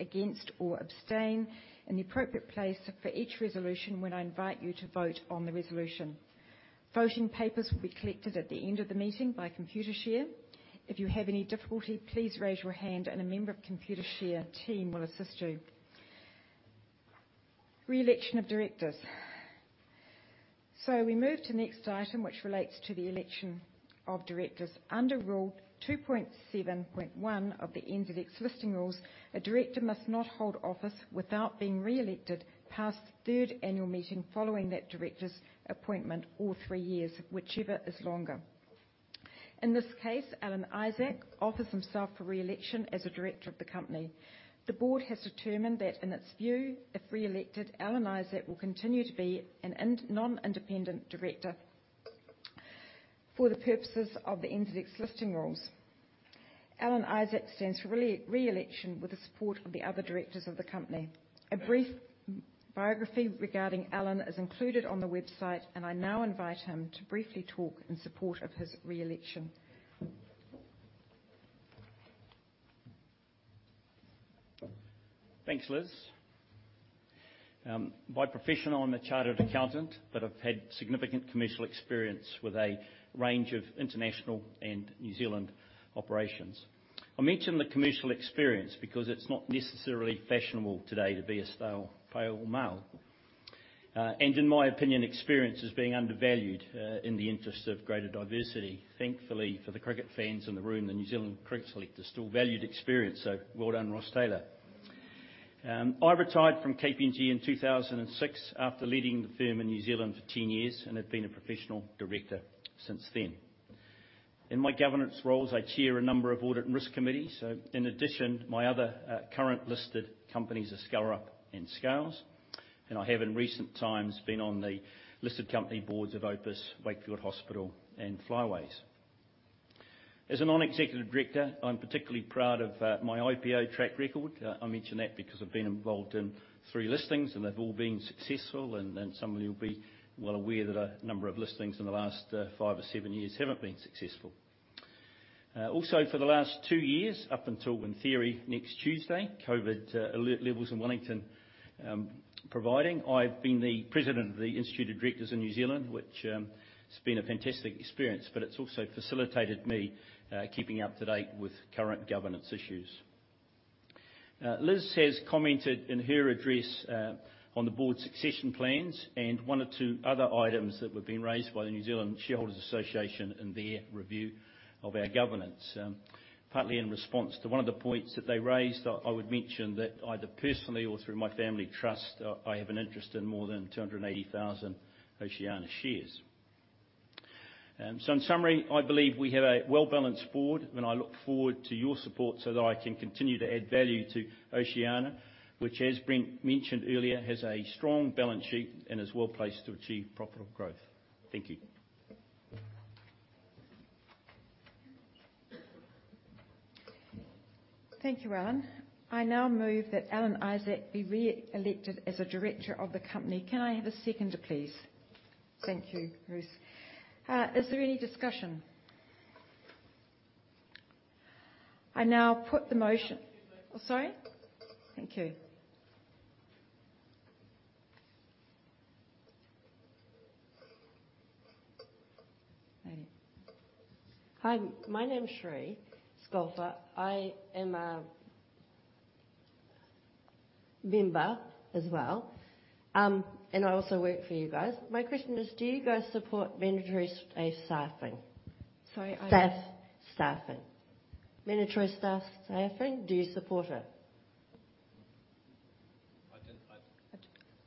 against, or abstain in the appropriate place for each resolution when I invite you to vote on the resolution. Voting papers will be collected at the end of the meeting by Computershare. If you have any difficulty, please raise your hand and a member of Computershare team will assist you. Re-election of directors. We move to next item, which relates to the election of directors. Under Rule 2.7.1 of the NZX Listing Rules, a director must not hold office without being re-elected past the third annual meeting following that director's appointment or three years, whichever is longer. In this case, Alan Isaac offers himself for re-election as a director of the company. The board has determined that in its view, if re-elected, Alan Isaac will continue to be a non-independent director. For the purposes of the NZX Listing Rules. Alan Isaac stands for re-election with the support of the other directors of the company. I now invite him to briefly talk in support of his re-election. Thanks, Liz. By profession, I'm a chartered accountant, but I've had significant commercial experience with a range of international and New Zealand operations. I mention the commercial experience because it's not necessarily fashionable today to be a stale, pale male. In my opinion, experience is being undervalued in the interest of greater diversity. Thankfully, for the cricket fans in the room, the New Zealand Cricket is still valued experience. Well done, Ross Taylor. I retired from KPMG in 2006 after leading the firm in New Zealand for 10 years and have been a professional director since then. In my governance roles, I chair a number of audit risk committees. In addition, my other current listed companies are Skellerup and Scales, and I have in recent times been on the listed company boards of Opus, Wakefield Hospital, and Freightways. As a non-executive director, I'm particularly proud of my IPO track record. I mention that because I've been involved in three listings and they've all been successful, and some of you will be well aware that a number of listings in the last five or seven years haven't been successful. Also, for the last two years, up until in theory next Tuesday, COVID alert levels in Wellington providing, I've been the president of the Institute of Directors in New Zealand, which has been a fantastic experience, but it's also facilitated me keeping up to date with current governance issues. Now, Liz has commented in her address on the board succession plans and one or two other items that have been raised by the New Zealand Shareholders' Association in their review of our governance. Partly in response to one of the points that they raised, I would mention that either personally or through my family trust, I have an interest in more than 280,000 Oceania shares. In summary, I believe we have a well-balanced board, and I look forward to your support so that I can continue to add value to Oceania, which as mentioned earlier, has a strong balance sheet and is well-placed to achieve profitable growth. Thank you. Thank you, Alan. I now move that Alan Isaac be re-elected as a director of the company. Can I have a seconder, please? Thank you, Ruth. Is there any discussion? I now put the motion. Sorry. Thank you. Hi, my name is Sheree Scolta. I am a member as well, and I also work for you guys. My question is, do you guys support mandatory safe staffing? Staff staffing. Mandatory staff staffing. Do you support it?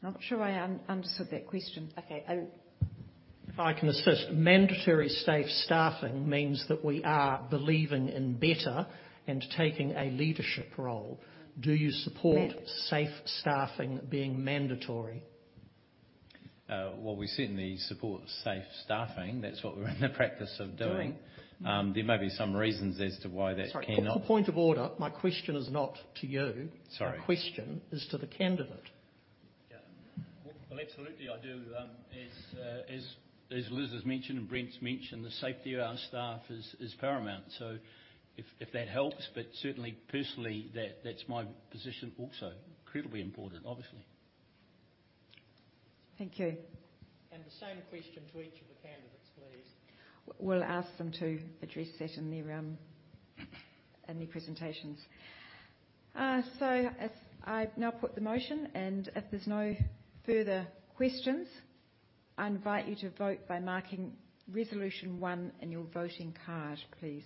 I'm not sure I understood that question. Okay, If I can assist. Mandatory safe staffing means that we are believing in better and taking a leadership role. Do you support safe staffing being mandatory? Well, we certainly support safe staffing. That's what we're in the practice of doing. There may be some reasons as to why that can't. Sorry. On a point of order, my question is not to you. Sorry. My question is to the candidate. Yeah. Well, absolutely I do. As Liz has mentioned and Brent's mentioned, the safety of our staff is paramount. If that helps, but certainly personally that's my position also. Incredibly important, obviously. Thank you. The same question to each of the candidates, please. We'll ask them to address that in their presentations. I now put the motion, and if there's no further questions, I invite you to vote by marking Resolution 1 in your voting card, please.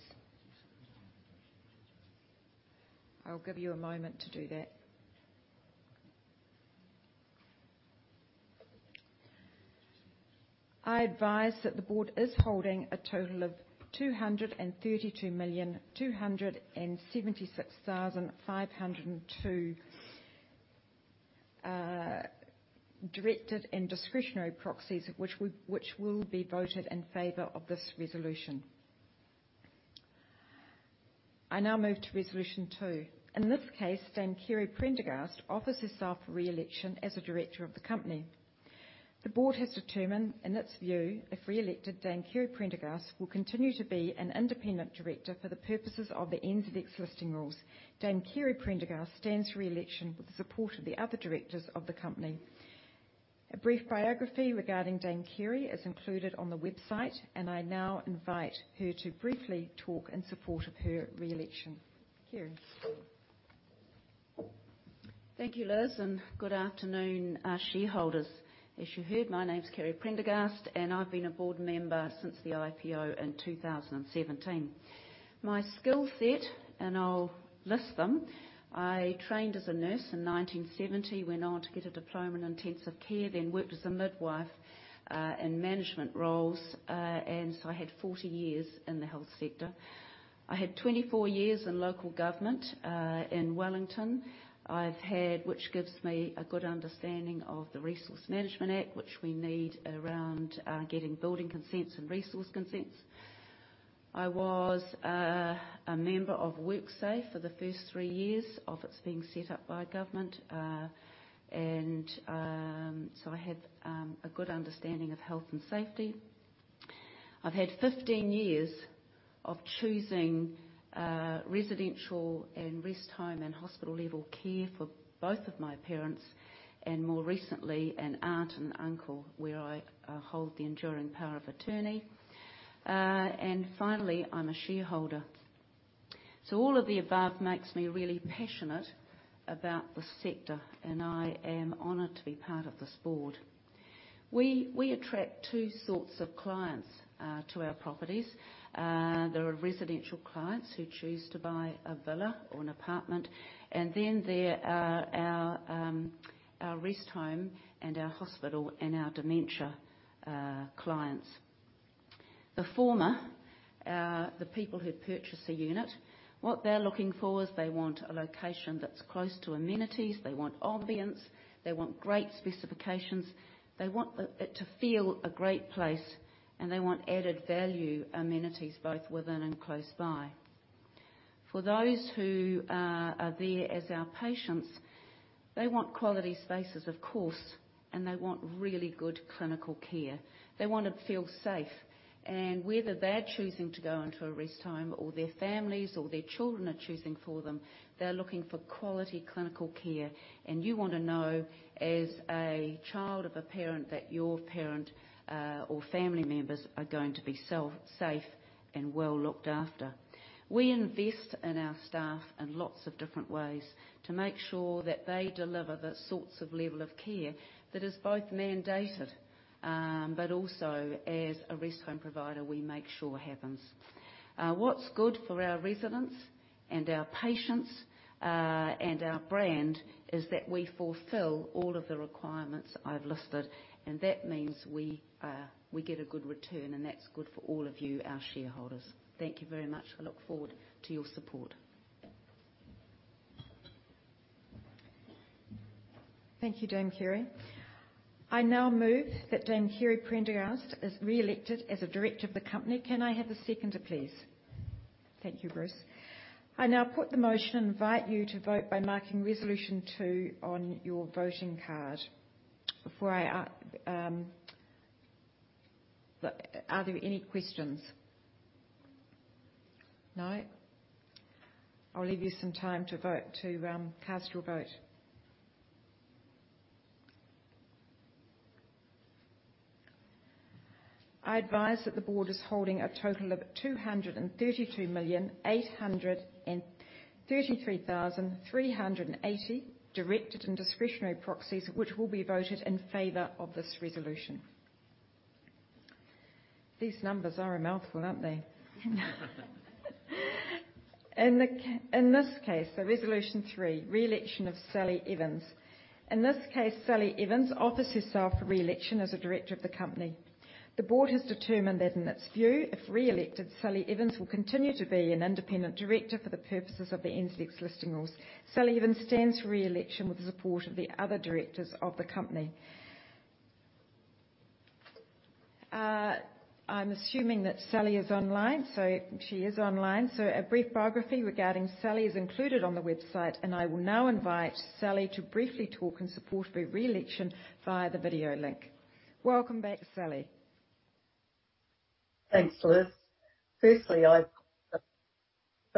I'll give you a moment to do that. I advise that the board is holding a total of 232,276,502 directed and discretionary proxies which will be voted in favor of this Resolution. I now move to Resolution 2. In this case, Dame Kerry Prendergast offers herself for re-election as a Director of the company. The board has determined, in its view, if re-elected, Dame Kerry Prendergast will continue to be an independent Director for the purposes of the NZX listing rules. Dame Kerry Prendergast stands for re-election with the support of the other Directors of the company. A brief biography regarding Dame Kerry is included on the website, and I now invite her to briefly talk in support of her re-election. Kerry. Thank you, Liz. Good afternoon, shareholders. As you heard, my name is Kerry Prendergast. I've been a board member since the IPO in 2017. My skill set, I'll list them. I trained as a nurse in 1970, went on to get a diploma in intensive care, then worked as a midwife in management roles. I had 40 years in the health sector. I had 24 years in local government in Wellington, which gives me a good understanding of the Resource Management Act, which we need around getting building consents and resource consents. I was a member of WorkSafe for the first three years of it being set up by government. I have a good understanding of health and safety. I've had 15 years of choosing residential and rest home and hospital level care for both of my parents and more recently, an aunt and uncle, where I hold the enduring power of attorney. Finally, I'm a shareholder. All of the above makes me really passionate about this sector, and I am honored to be part of this board. We attract two sorts of clients to our properties. There are residential clients who choose to buy a villa or an apartment, and then there are our rest home and our hospital and our dementia clients. The former, the people who purchase a unit, what they're looking for is they want a location that's close to amenities. They want ambience. They want great specifications. They want it to feel a great place, and they want added value amenities both within and close by. For those who are there as our patients, they want quality spaces, of course, and they want really good clinical care. They want to feel safe. Whether they're choosing to go into a rest home or their families or their children are choosing for them, they're looking for quality clinical care. You want to know, as a child of a parent, that your parent or family members are going to be safe and well looked after. We invest in our staff in lots of different ways to make sure that they deliver the sorts of level of care that is both mandated, but also as a rest home provider, we make sure happens. What's good for our residents and our patients, and our brand is that we fulfill all of the requirements that I've listed, and that means we get a good return, and that's good for all of you, our shareholders. Thank you very much. I look forward to your support. Thank you, Dame Kerry. I now move that Dame Kerry Prendergast is re-elected as a director of the company. Can I have a seconder, please? Thank you, Bruce. I now put the motion and invite you to vote by marking Resolution 2 on your voting card. Are there any questions? No. I'll give you some time to cast your vote. I advise that the board is holding a total of 232,833,380 directed and discretionary proxies, which will be voted in favor of this resolution. These numbers are a mouthful, aren't they? In this case, Resolution 3, re-election of Sally Evans. In this case, Sally Evans offers herself for re-election as a director of the company. The board has determined that in its view, if re-elected, Sally Evans will continue to be an independent director for the purposes of the NZX listing rules. Sally Evans stands for re-election with the support of the other directors of the company. I'm assuming that Sally is online. She is online. A brief biography regarding Sally is included on the website, and I will now invite Sally to briefly talk in support of her re-election via the video link. Welcome back, Sally. Thanks, Liz. For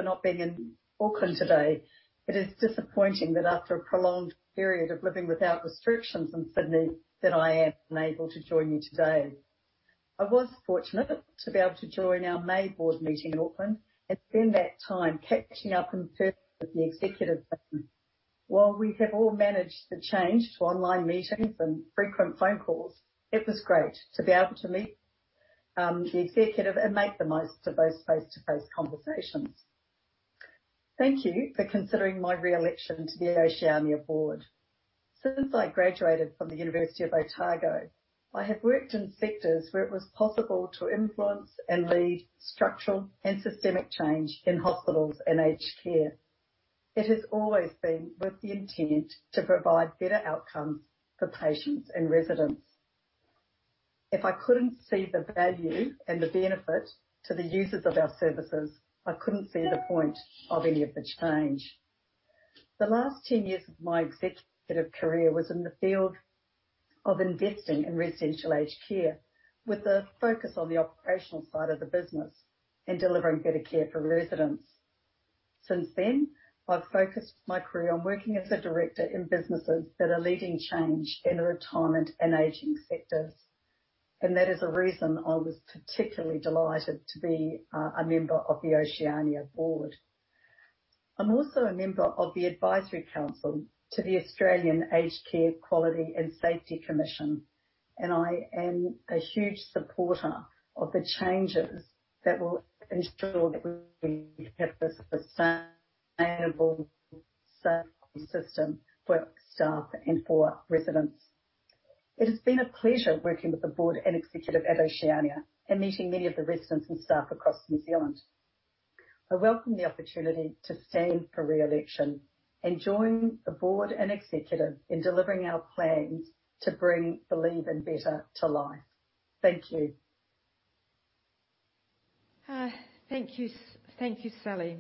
not being in Auckland today, it is disappointing that after a prolonged period of living without restrictions in Sydney, that I am unable to join you today. I was fortunate to be able to join our May board meeting in Auckland and spend that time catching up in person with the executive team. While we have all managed to change to online meetings and frequent phone calls, it was great to be able to meet the executive and make the most of those face-to-face conversations. Thank you for considering my re-election to the Oceania board. Since I graduated from the University of Otago, I have worked in sectors where it was possible to influence and lead structural and systemic change in hospitals and aged care. It has always been with the intent to provide better outcomes for patients and residents. If I couldn't see the value and the benefit to the users of our services, I couldn't see the point of any of the change. The last 10 years of my executive career was in the field of investing in residential aged care with a focus on the operational side of the business and delivering better care for residents. Since then, I've focused my career on working as a director in businesses that are leading change in retirement and aging sectors. That is the reason I was particularly delighted to be a member of the Oceania board. I'm also a member of the Advisory Council to the Australian Aged Care Quality and Safety Commission. I am a huge supporter of the changes that will ensure that we have a sustainable safety system for staff and for residents. It has been a pleasure working with the board and executive at Oceania and meeting many of the residents and staff across New Zealand. I welcome the opportunity to stand for re-election and join the board and executive in delivering our plans to bring Believe in Better to life. Thank you. Thank you, Sally.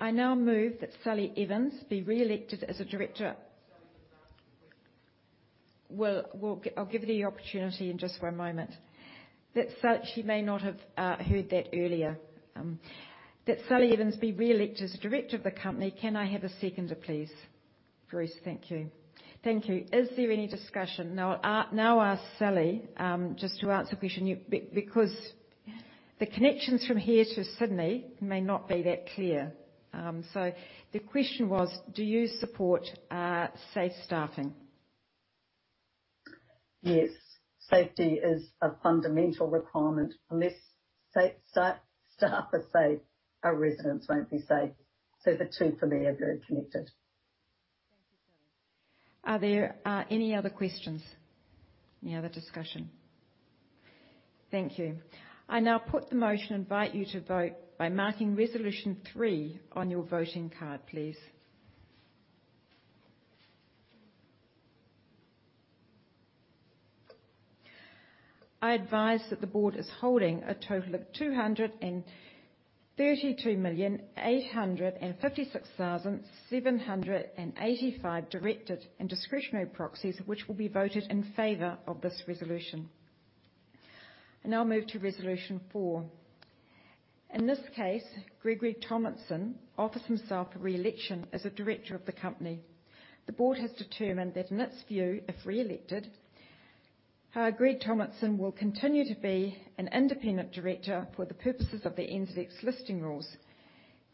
I now move that Sally Evans be re-elected as a director. Well, I'll give you the opportunity in just one moment. That said, she may not have heard that earlier. That Sally Evans be re-elected as a director of the company. Can I have a seconder, please? Bruce, thank you. Thank you. Is there any discussion? I'll ask Sally just to answer the question, because the connections from here to Sydney may not be that clear. The question was, do you support safe staffing? Yes. Safety is a fundamental requirement. Unless staff are safe, our residents won't be safe. The two for me are very connected. Thank you, Sally. Are there any other questions? Any other discussion? Thank you. I now put the motion and invite you to vote by marking Resolution 3 on your voting card, please. I advise that the board is holding a total of 232,856,785 directed and discretionary proxies which will be voted in favor of this resolution. I now move to Resolution 4. In this case, Gregory Tomlinson offers himself for re-election as a director of the company. The board has determined that in its view, if re-elected, Greg Tomlinson will continue to be an independent director for the purposes of the NZX listing rules.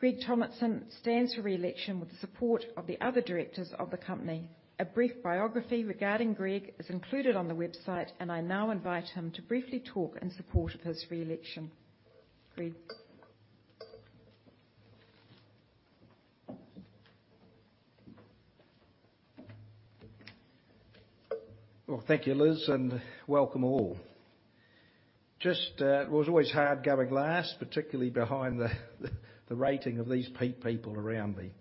Greg Tomlinson stands for re-election with support of the other directors of the company. A brief biography regarding Greg is included on the website. I now invite him to briefly talk in support of his re-election. Greg. Well, thank you, Liz, and welcome all. It was always hard going last, particularly behind the rating of these peak people around me.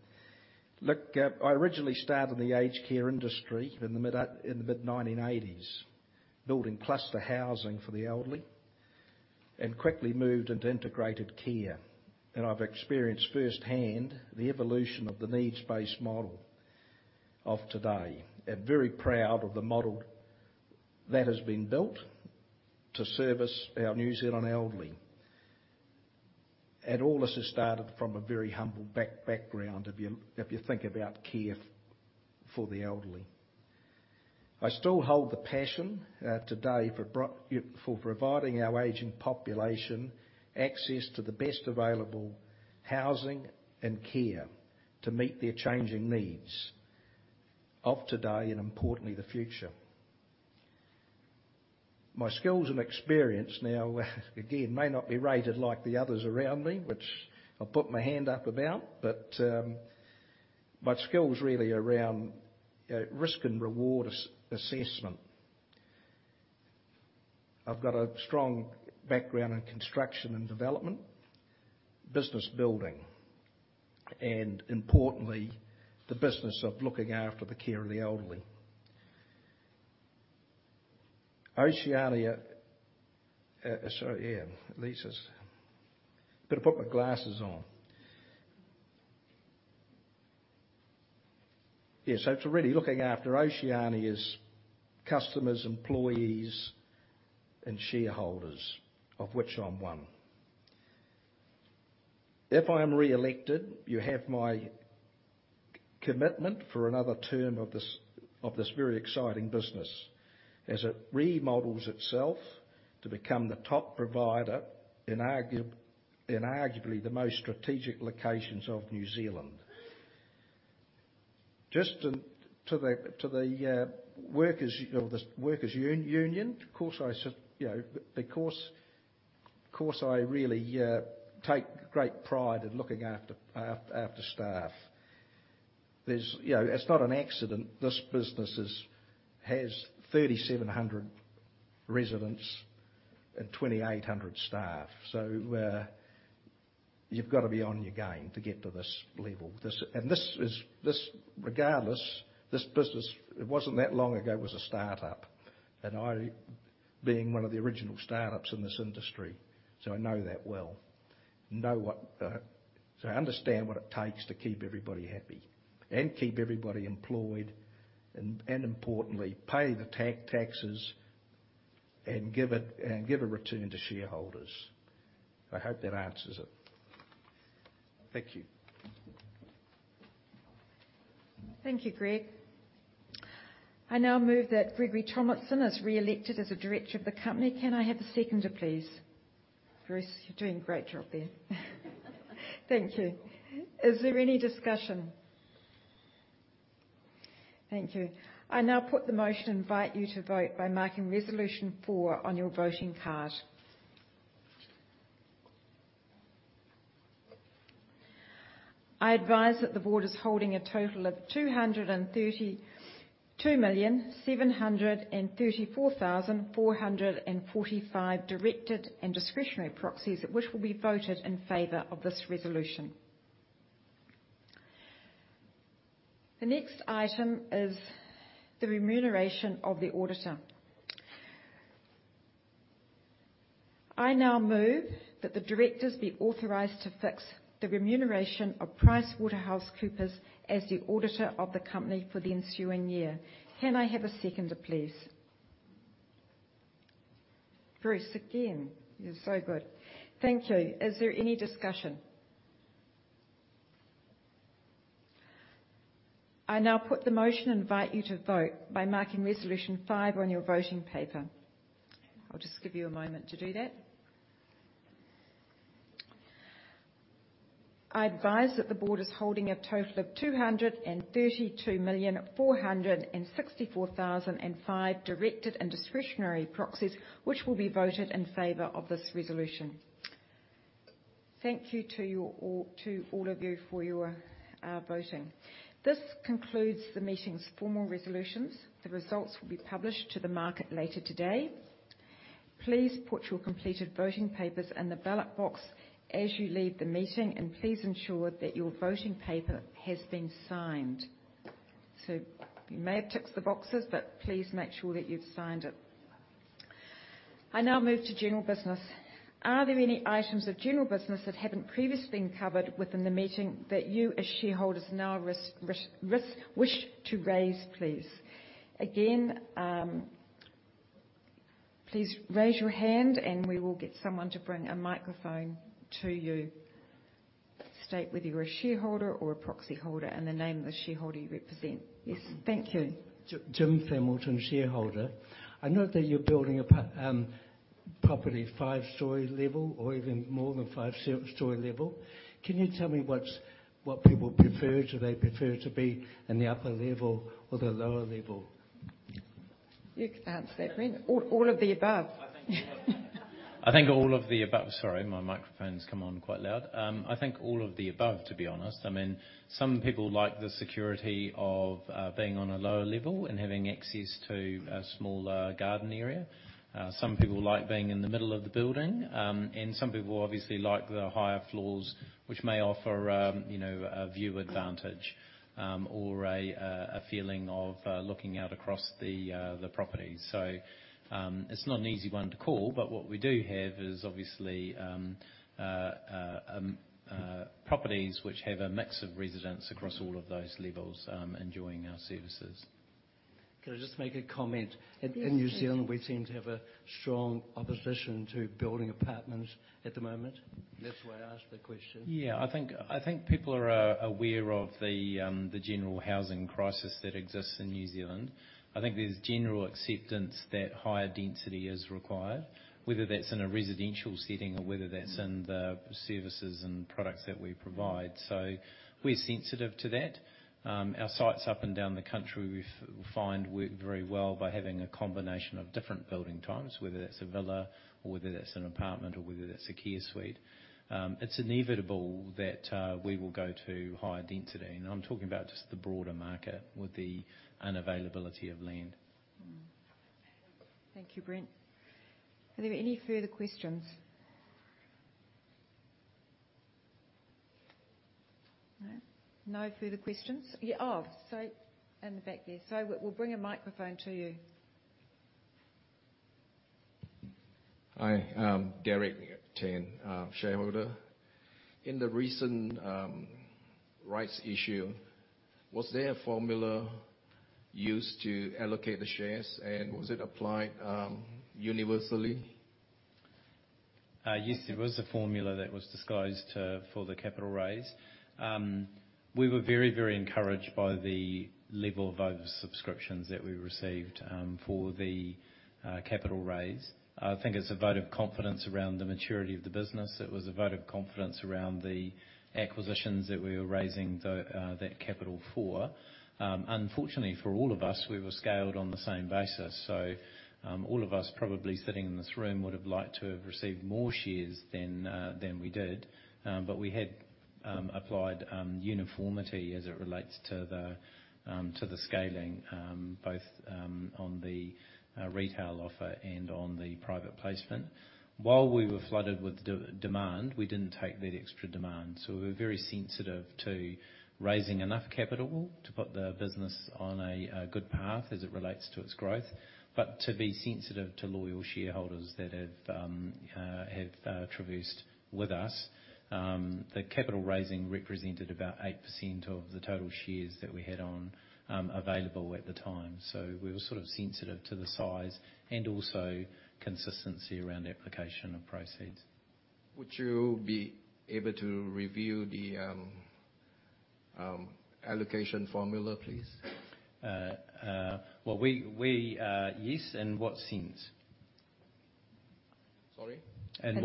Look, I originally started in the aged care industry in the mid-1980s, building cluster housing for the elderly, and quickly moved into integrated care. I've experienced firsthand the evolution of the needs-based model of today. I'm very proud of the model that has been built to service our New Zealand elderly. All this has started from a very humble background, if you think about care for the elderly. I still hold the passion today for providing our aging population access to the best available housing and care to meet their changing needs of today and importantly, the future. My skills and experience now, again, may not be rated like the others around me, which I put my hand up about, but my skill is really around risk and reward assessment. I've got a strong background in construction and development, business building, and importantly, the business of looking after the care of the elderly. Oceania. Sorry, Liz. Better put my glasses on. Yeah, it's really looking after Oceania's customers, employees, and shareholders, of which I'm one. If I'm re-elected, you have my commitment for another term of this very exciting business as it remodels itself to become the top provider in arguably the most strategic locations of New Zealand. Just to the workers union, of course, I really take great pride in looking after staff. It's not an accident this business has 3,700 residents and 2,800 staff. You've got to be on your game to get to this level. Regardless, this business, it wasn't that long ago, it was a startup, and I being one of the original startups in this industry, so I know that well. I understand what it takes to keep everybody happy and keep everybody employed and importantly, pay the taxes and give a return to shareholders. I hope that answers it. Thank you. Thank you, Greg. I now move that Gregory Tomlinson is re-elected as a director of the company. Can I have a seconder, please? Bruce, you're doing a great job there. Thank you. Is there any discussion? Thank you. I now put the motion and invite you to vote by marking Resolution 4 on your voting card. I advise that the board is holding a total of 232,734,445 directed and discretionary proxies, which will be voted in favor of this resolution. The next item is the remuneration of the auditor. I now move that the directors be authorized to fix the remuneration of PricewaterhouseCoopers as the auditor of the company for the ensuing year. Can I have a seconder, please? Bruce again. You're so good. Thank you. Is there any discussion? I now put the motion and invite you to vote by marking Resolution 5 on your voting paper. I'll just give you a moment to do that. I advise that the Board is holding a total of 232,464,005 directed and discretionary proxies, which will be voted in favor of this resolution. Thank you to all of you for your voting. This concludes the meeting's formal resolutions. The results will be published to the market later today. Please put your completed voting papers in the ballot box as you leave the meeting, and please ensure that your voting paper has been signed. You may have ticked the boxes, but please make sure that you've signed it. I now move to general business. Are there any items of general business that haven't previously been covered within the meeting that you as shareholders now wish to raise, please? Again, please raise your hand and we will get someone to bring a microphone to you. State whether you're a shareholder or a proxyholder and the name of the shareholder you represent. Yes, thank you. Jim Hamilton, shareholder. I note that you're building a property five storey level or even more than five storey level. Can you tell me what people prefer? Do they prefer to be in the upper level or the lower level? You can answer that, Brent. All of the above. I think all of the above. Sorry, my microphone's come on quite loud. I think all of the above, to be honest. Some people like the security of being on a lower level and having access to a small garden area. Some people like being in the middle of the building. Some people obviously like the higher floors, which may offer a view advantage, or a feeling of looking out across the property. It's not an easy one to call, but what we do have is obviously properties which have a mix of residents across all of those levels enjoying our services. Can I just make a comment? Yes, please. In New Zealand, we seem to have a strong opposition to building apartments at the moment. That's why I asked the question. Yeah, I think people are aware of the general housing crisis that exists in New Zealand. I think there's general acceptance that higher density is required, whether that's in a residential setting or whether that's in the services and products that we provide. We're sensitive to that. Our sites up and down the country we find work very well by having a combination of different building types, whether that's a villa or whether that's an apartment or whether that's a Care Suite. It's inevitable that we will go to high density. I'm talking about just the broader market with the unavailability of land. Thank you, Brent. Are there any further questions? No. No further questions. Yeah. Oh, in the back there. We'll bring a microphone to you. Hi, Derrick Tan, shareholder. In the recent rights issue, was there a formula used to allocate the shares, and was it applied universally? Yes, there was a formula that was disguised for the capital raise. We were very encouraged by the level of oversubscriptions that we received for the capital raise. I think it's a vote of confidence around the maturity of the business. It was a vote of confidence around the acquisitions that we were raising that capital for. Unfortunately, for all of us, we were scaled on the same basis. All of us probably sitting in this room would have liked to have received more shares than we did. We had applied uniformity as it relates to the scaling both on the retail offer and on the private placement. While we were flooded with demand, we didn't take that extra demand. We were very sensitive to raising enough capital to put the business on a good path as it relates to its growth, but to be sensitive to loyal shareholders that have traversed with us. The capital raising represented about 8% of the total shares that we had on available at the time. We were sort of sensitive to the size and also consistency around application of proceeds. Would you be able to reveal the allocation formula, please? Yes. In what sense? Sorry? In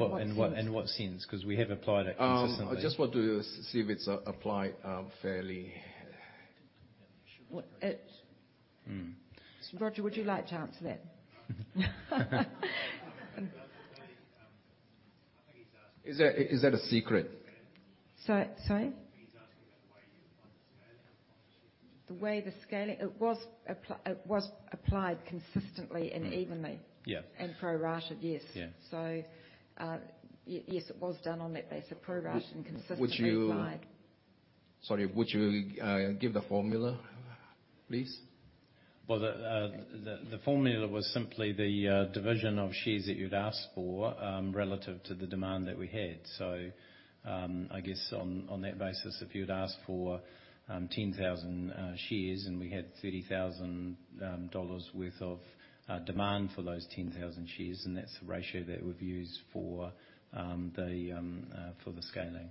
what sense? We have applied it consistently. I just want to see if it's applied fairly. Well, Roger, would you like to answer that? Is that a secret? Sorry? The way it was applied consistently and evenly. Yeah. Prorated, yes. Yeah. Yes, it was done on that basis, prorated and consistently applied. Sorry, would you give the formula, please? The formula was simply the division of shares that you'd asked for relative to the demand that we had. I guess on that basis, if you'd asked for 10,000 shares and we had 30,000 dollars worth of demand for those 10,000 shares, then that's the ratio that we've used for the scaling.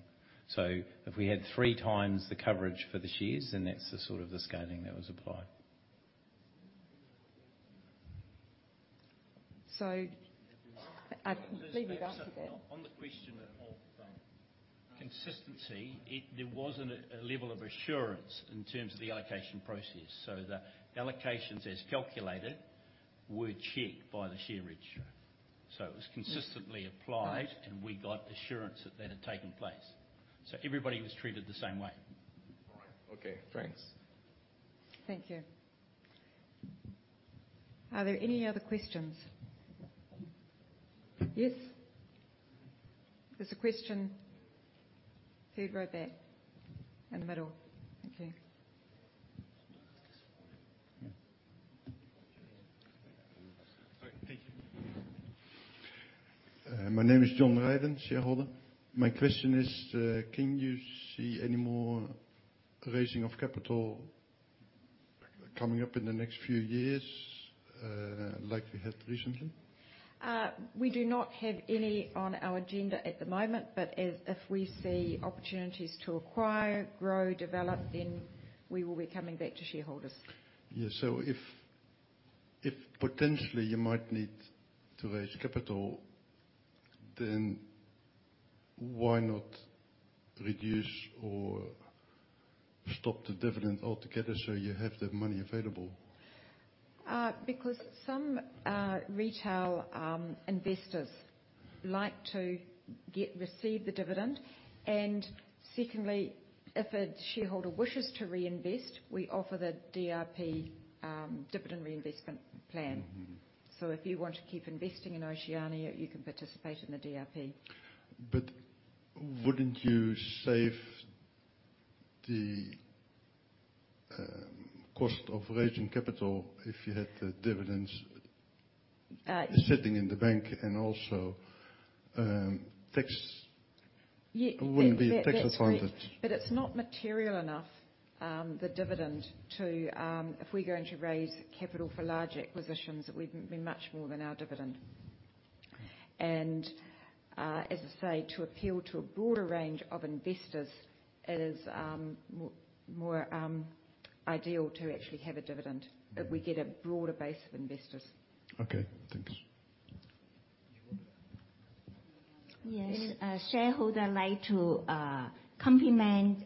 If we had three times the coverage for the shares, then that's the sort of the scaling that was applied. I believe you've answered that. On the question of consistency, there wasn't a level of assurance in terms of the allocation process, so the allocations as calculated were checked by the share registry. It was consistently applied. Right We got assurance that that had taken place. Everybody was treated the same way. All right. Okay, thanks. Thank you. Are there any other questions? Yes? There's a question third row back in the middle. Thank you. Sorry, thank you. My name is John Ryden, shareholder. My question is, can you see any more raising of capital coming up in the next few years, like we had recently? We do not have any on our agenda at the moment, but if we see opportunities to acquire, grow, develop, then we will be coming back to shareholders. If potentially you might need to raise capital, then why not reduce or stop the dividend altogether so you have the money available? Because some retail investors like to receive the dividend, and secondly, if a shareholder wishes to reinvest, we offer the DRP, dividend reinvestment plan. If you want to keep investing in Oceania, you can participate in the DRP. Wouldn't you save the cost of raising capital if you had the dividends sitting in the bank and also, tax-. Yeah, that's correct. ...wouldn't be tax advantage. It's not material enough, the dividend, to if we're going to raise capital for large acquisitions, it would be much more than our dividend. As I say, to appeal to a broader range of investors, it is more ideal to actually have a dividend. We get a broader base of investors. Okay. Thanks. Yes, I'd like to complement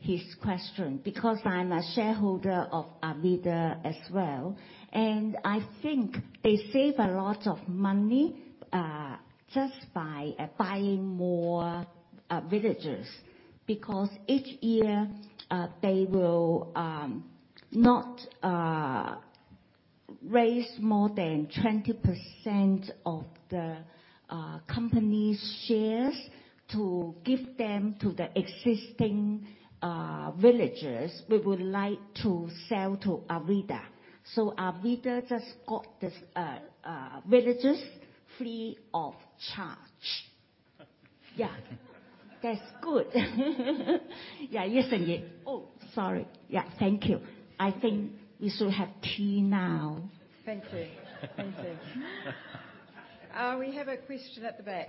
his question because I'm a shareholder of Arvida as well, I think they save a lot of money just by buying more villagers. Each year, they will not raise more than 20% of the company's shares to give them to the existing villagers we would like to sell to Arvida. Arvida just got these villagers free of charge. Yeah. That's good. Yeah. Yes, indeed. Oh, sorry. Yeah. Thank you. I think we should have tea now. Thank you. Thank you. We have a question at the back.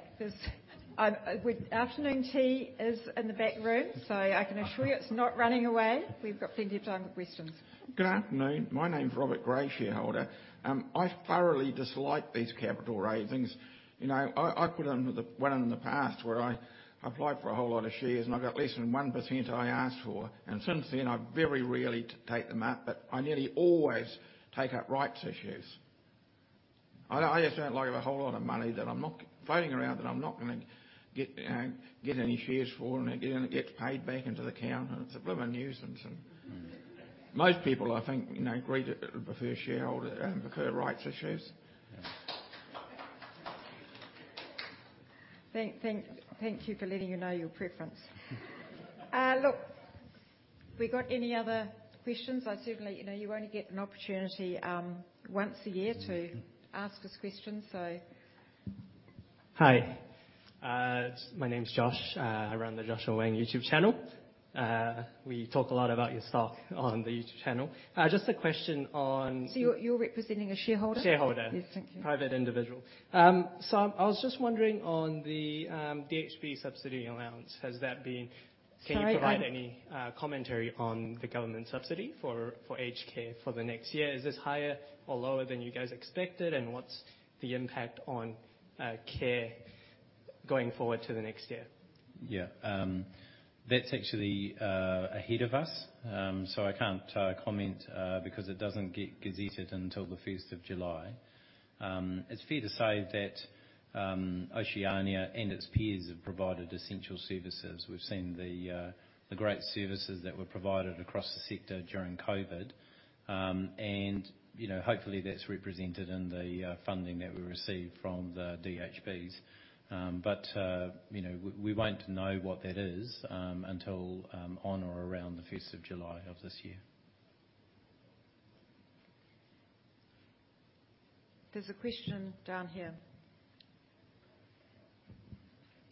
Afternoon tea is in the back room, so I can assure you it is not running away. We have got plenty of time for questions. Good afternoon. My name's Robert Gray, shareholder. I thoroughly dislike these capital raisings. I put in one in the past where I applied for a whole lot of shares, and I got less than 1% I asked for. Since then, I very rarely take them up, but I nearly always take up rights issues. I just don't like a whole lot of money that I'm not floating around that I'm not going to get any shares for, and again, it gets paid back into the account, and it's a blooming nuisance. Most people, I think, agree, prefer shareholder, prefer rights issues. Thank you for letting you know your preference. Look, we got any other questions? You only get an opportunity once a year to ask us questions. Hi. My name's Josh. I run the Joshua Wang YouTube channel. We talk a lot about your stock on the YouTube channel. Just a question on- You're representing a shareholder? Shareholder. Yes. Thank you. I was just wondering on the DHB subsidy allowance. Sorry. Can you provide any commentary on the government subsidy for aged care for the next year? Is this higher or lower than you guys expected, and what's the impact on care going forward to the next year? Yeah. That's actually ahead of us. I can't comment because it doesn't get gazetted until the 1st of July. It's fair to say that Oceania and its peers have provided essential services. We've seen the great services that were provided across the sector during COVID. Hopefully, that's represented in the funding that we receive from the DHBs. We won't know what that is until on or around the 1st of July of this year. There's a question down here.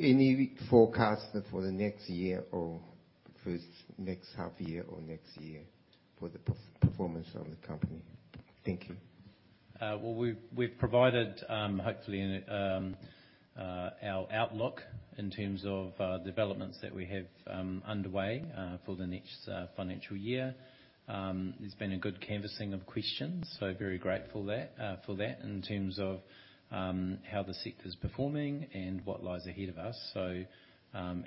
Any forecast for the next year or first next half year or next year for the performance of the company? Thank you. Well, we've provided, hopefully, our outlook in terms of developments that we have underway for the next financial year. There's been a good canvassing of questions, so very grateful for that in terms of how the sector's performing and what lies ahead of us.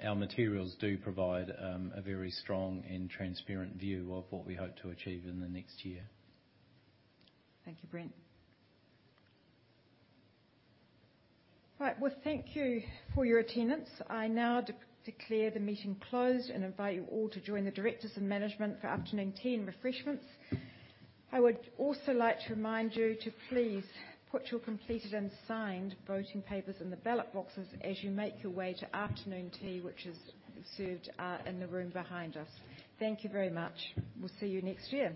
Our materials do provide a very strong and transparent view of what we hope to achieve in the next year. Thank you, Brent. All right. Well, thank you for your attendance. I now declare the meeting closed and invite you all to join the directors and management for afternoon tea and refreshments. I would also like to remind you to please put your completed and signed voting papers in the ballot boxes as you make your way to afternoon tea, which is served in the room behind us. Thank you very much. We'll see you next year.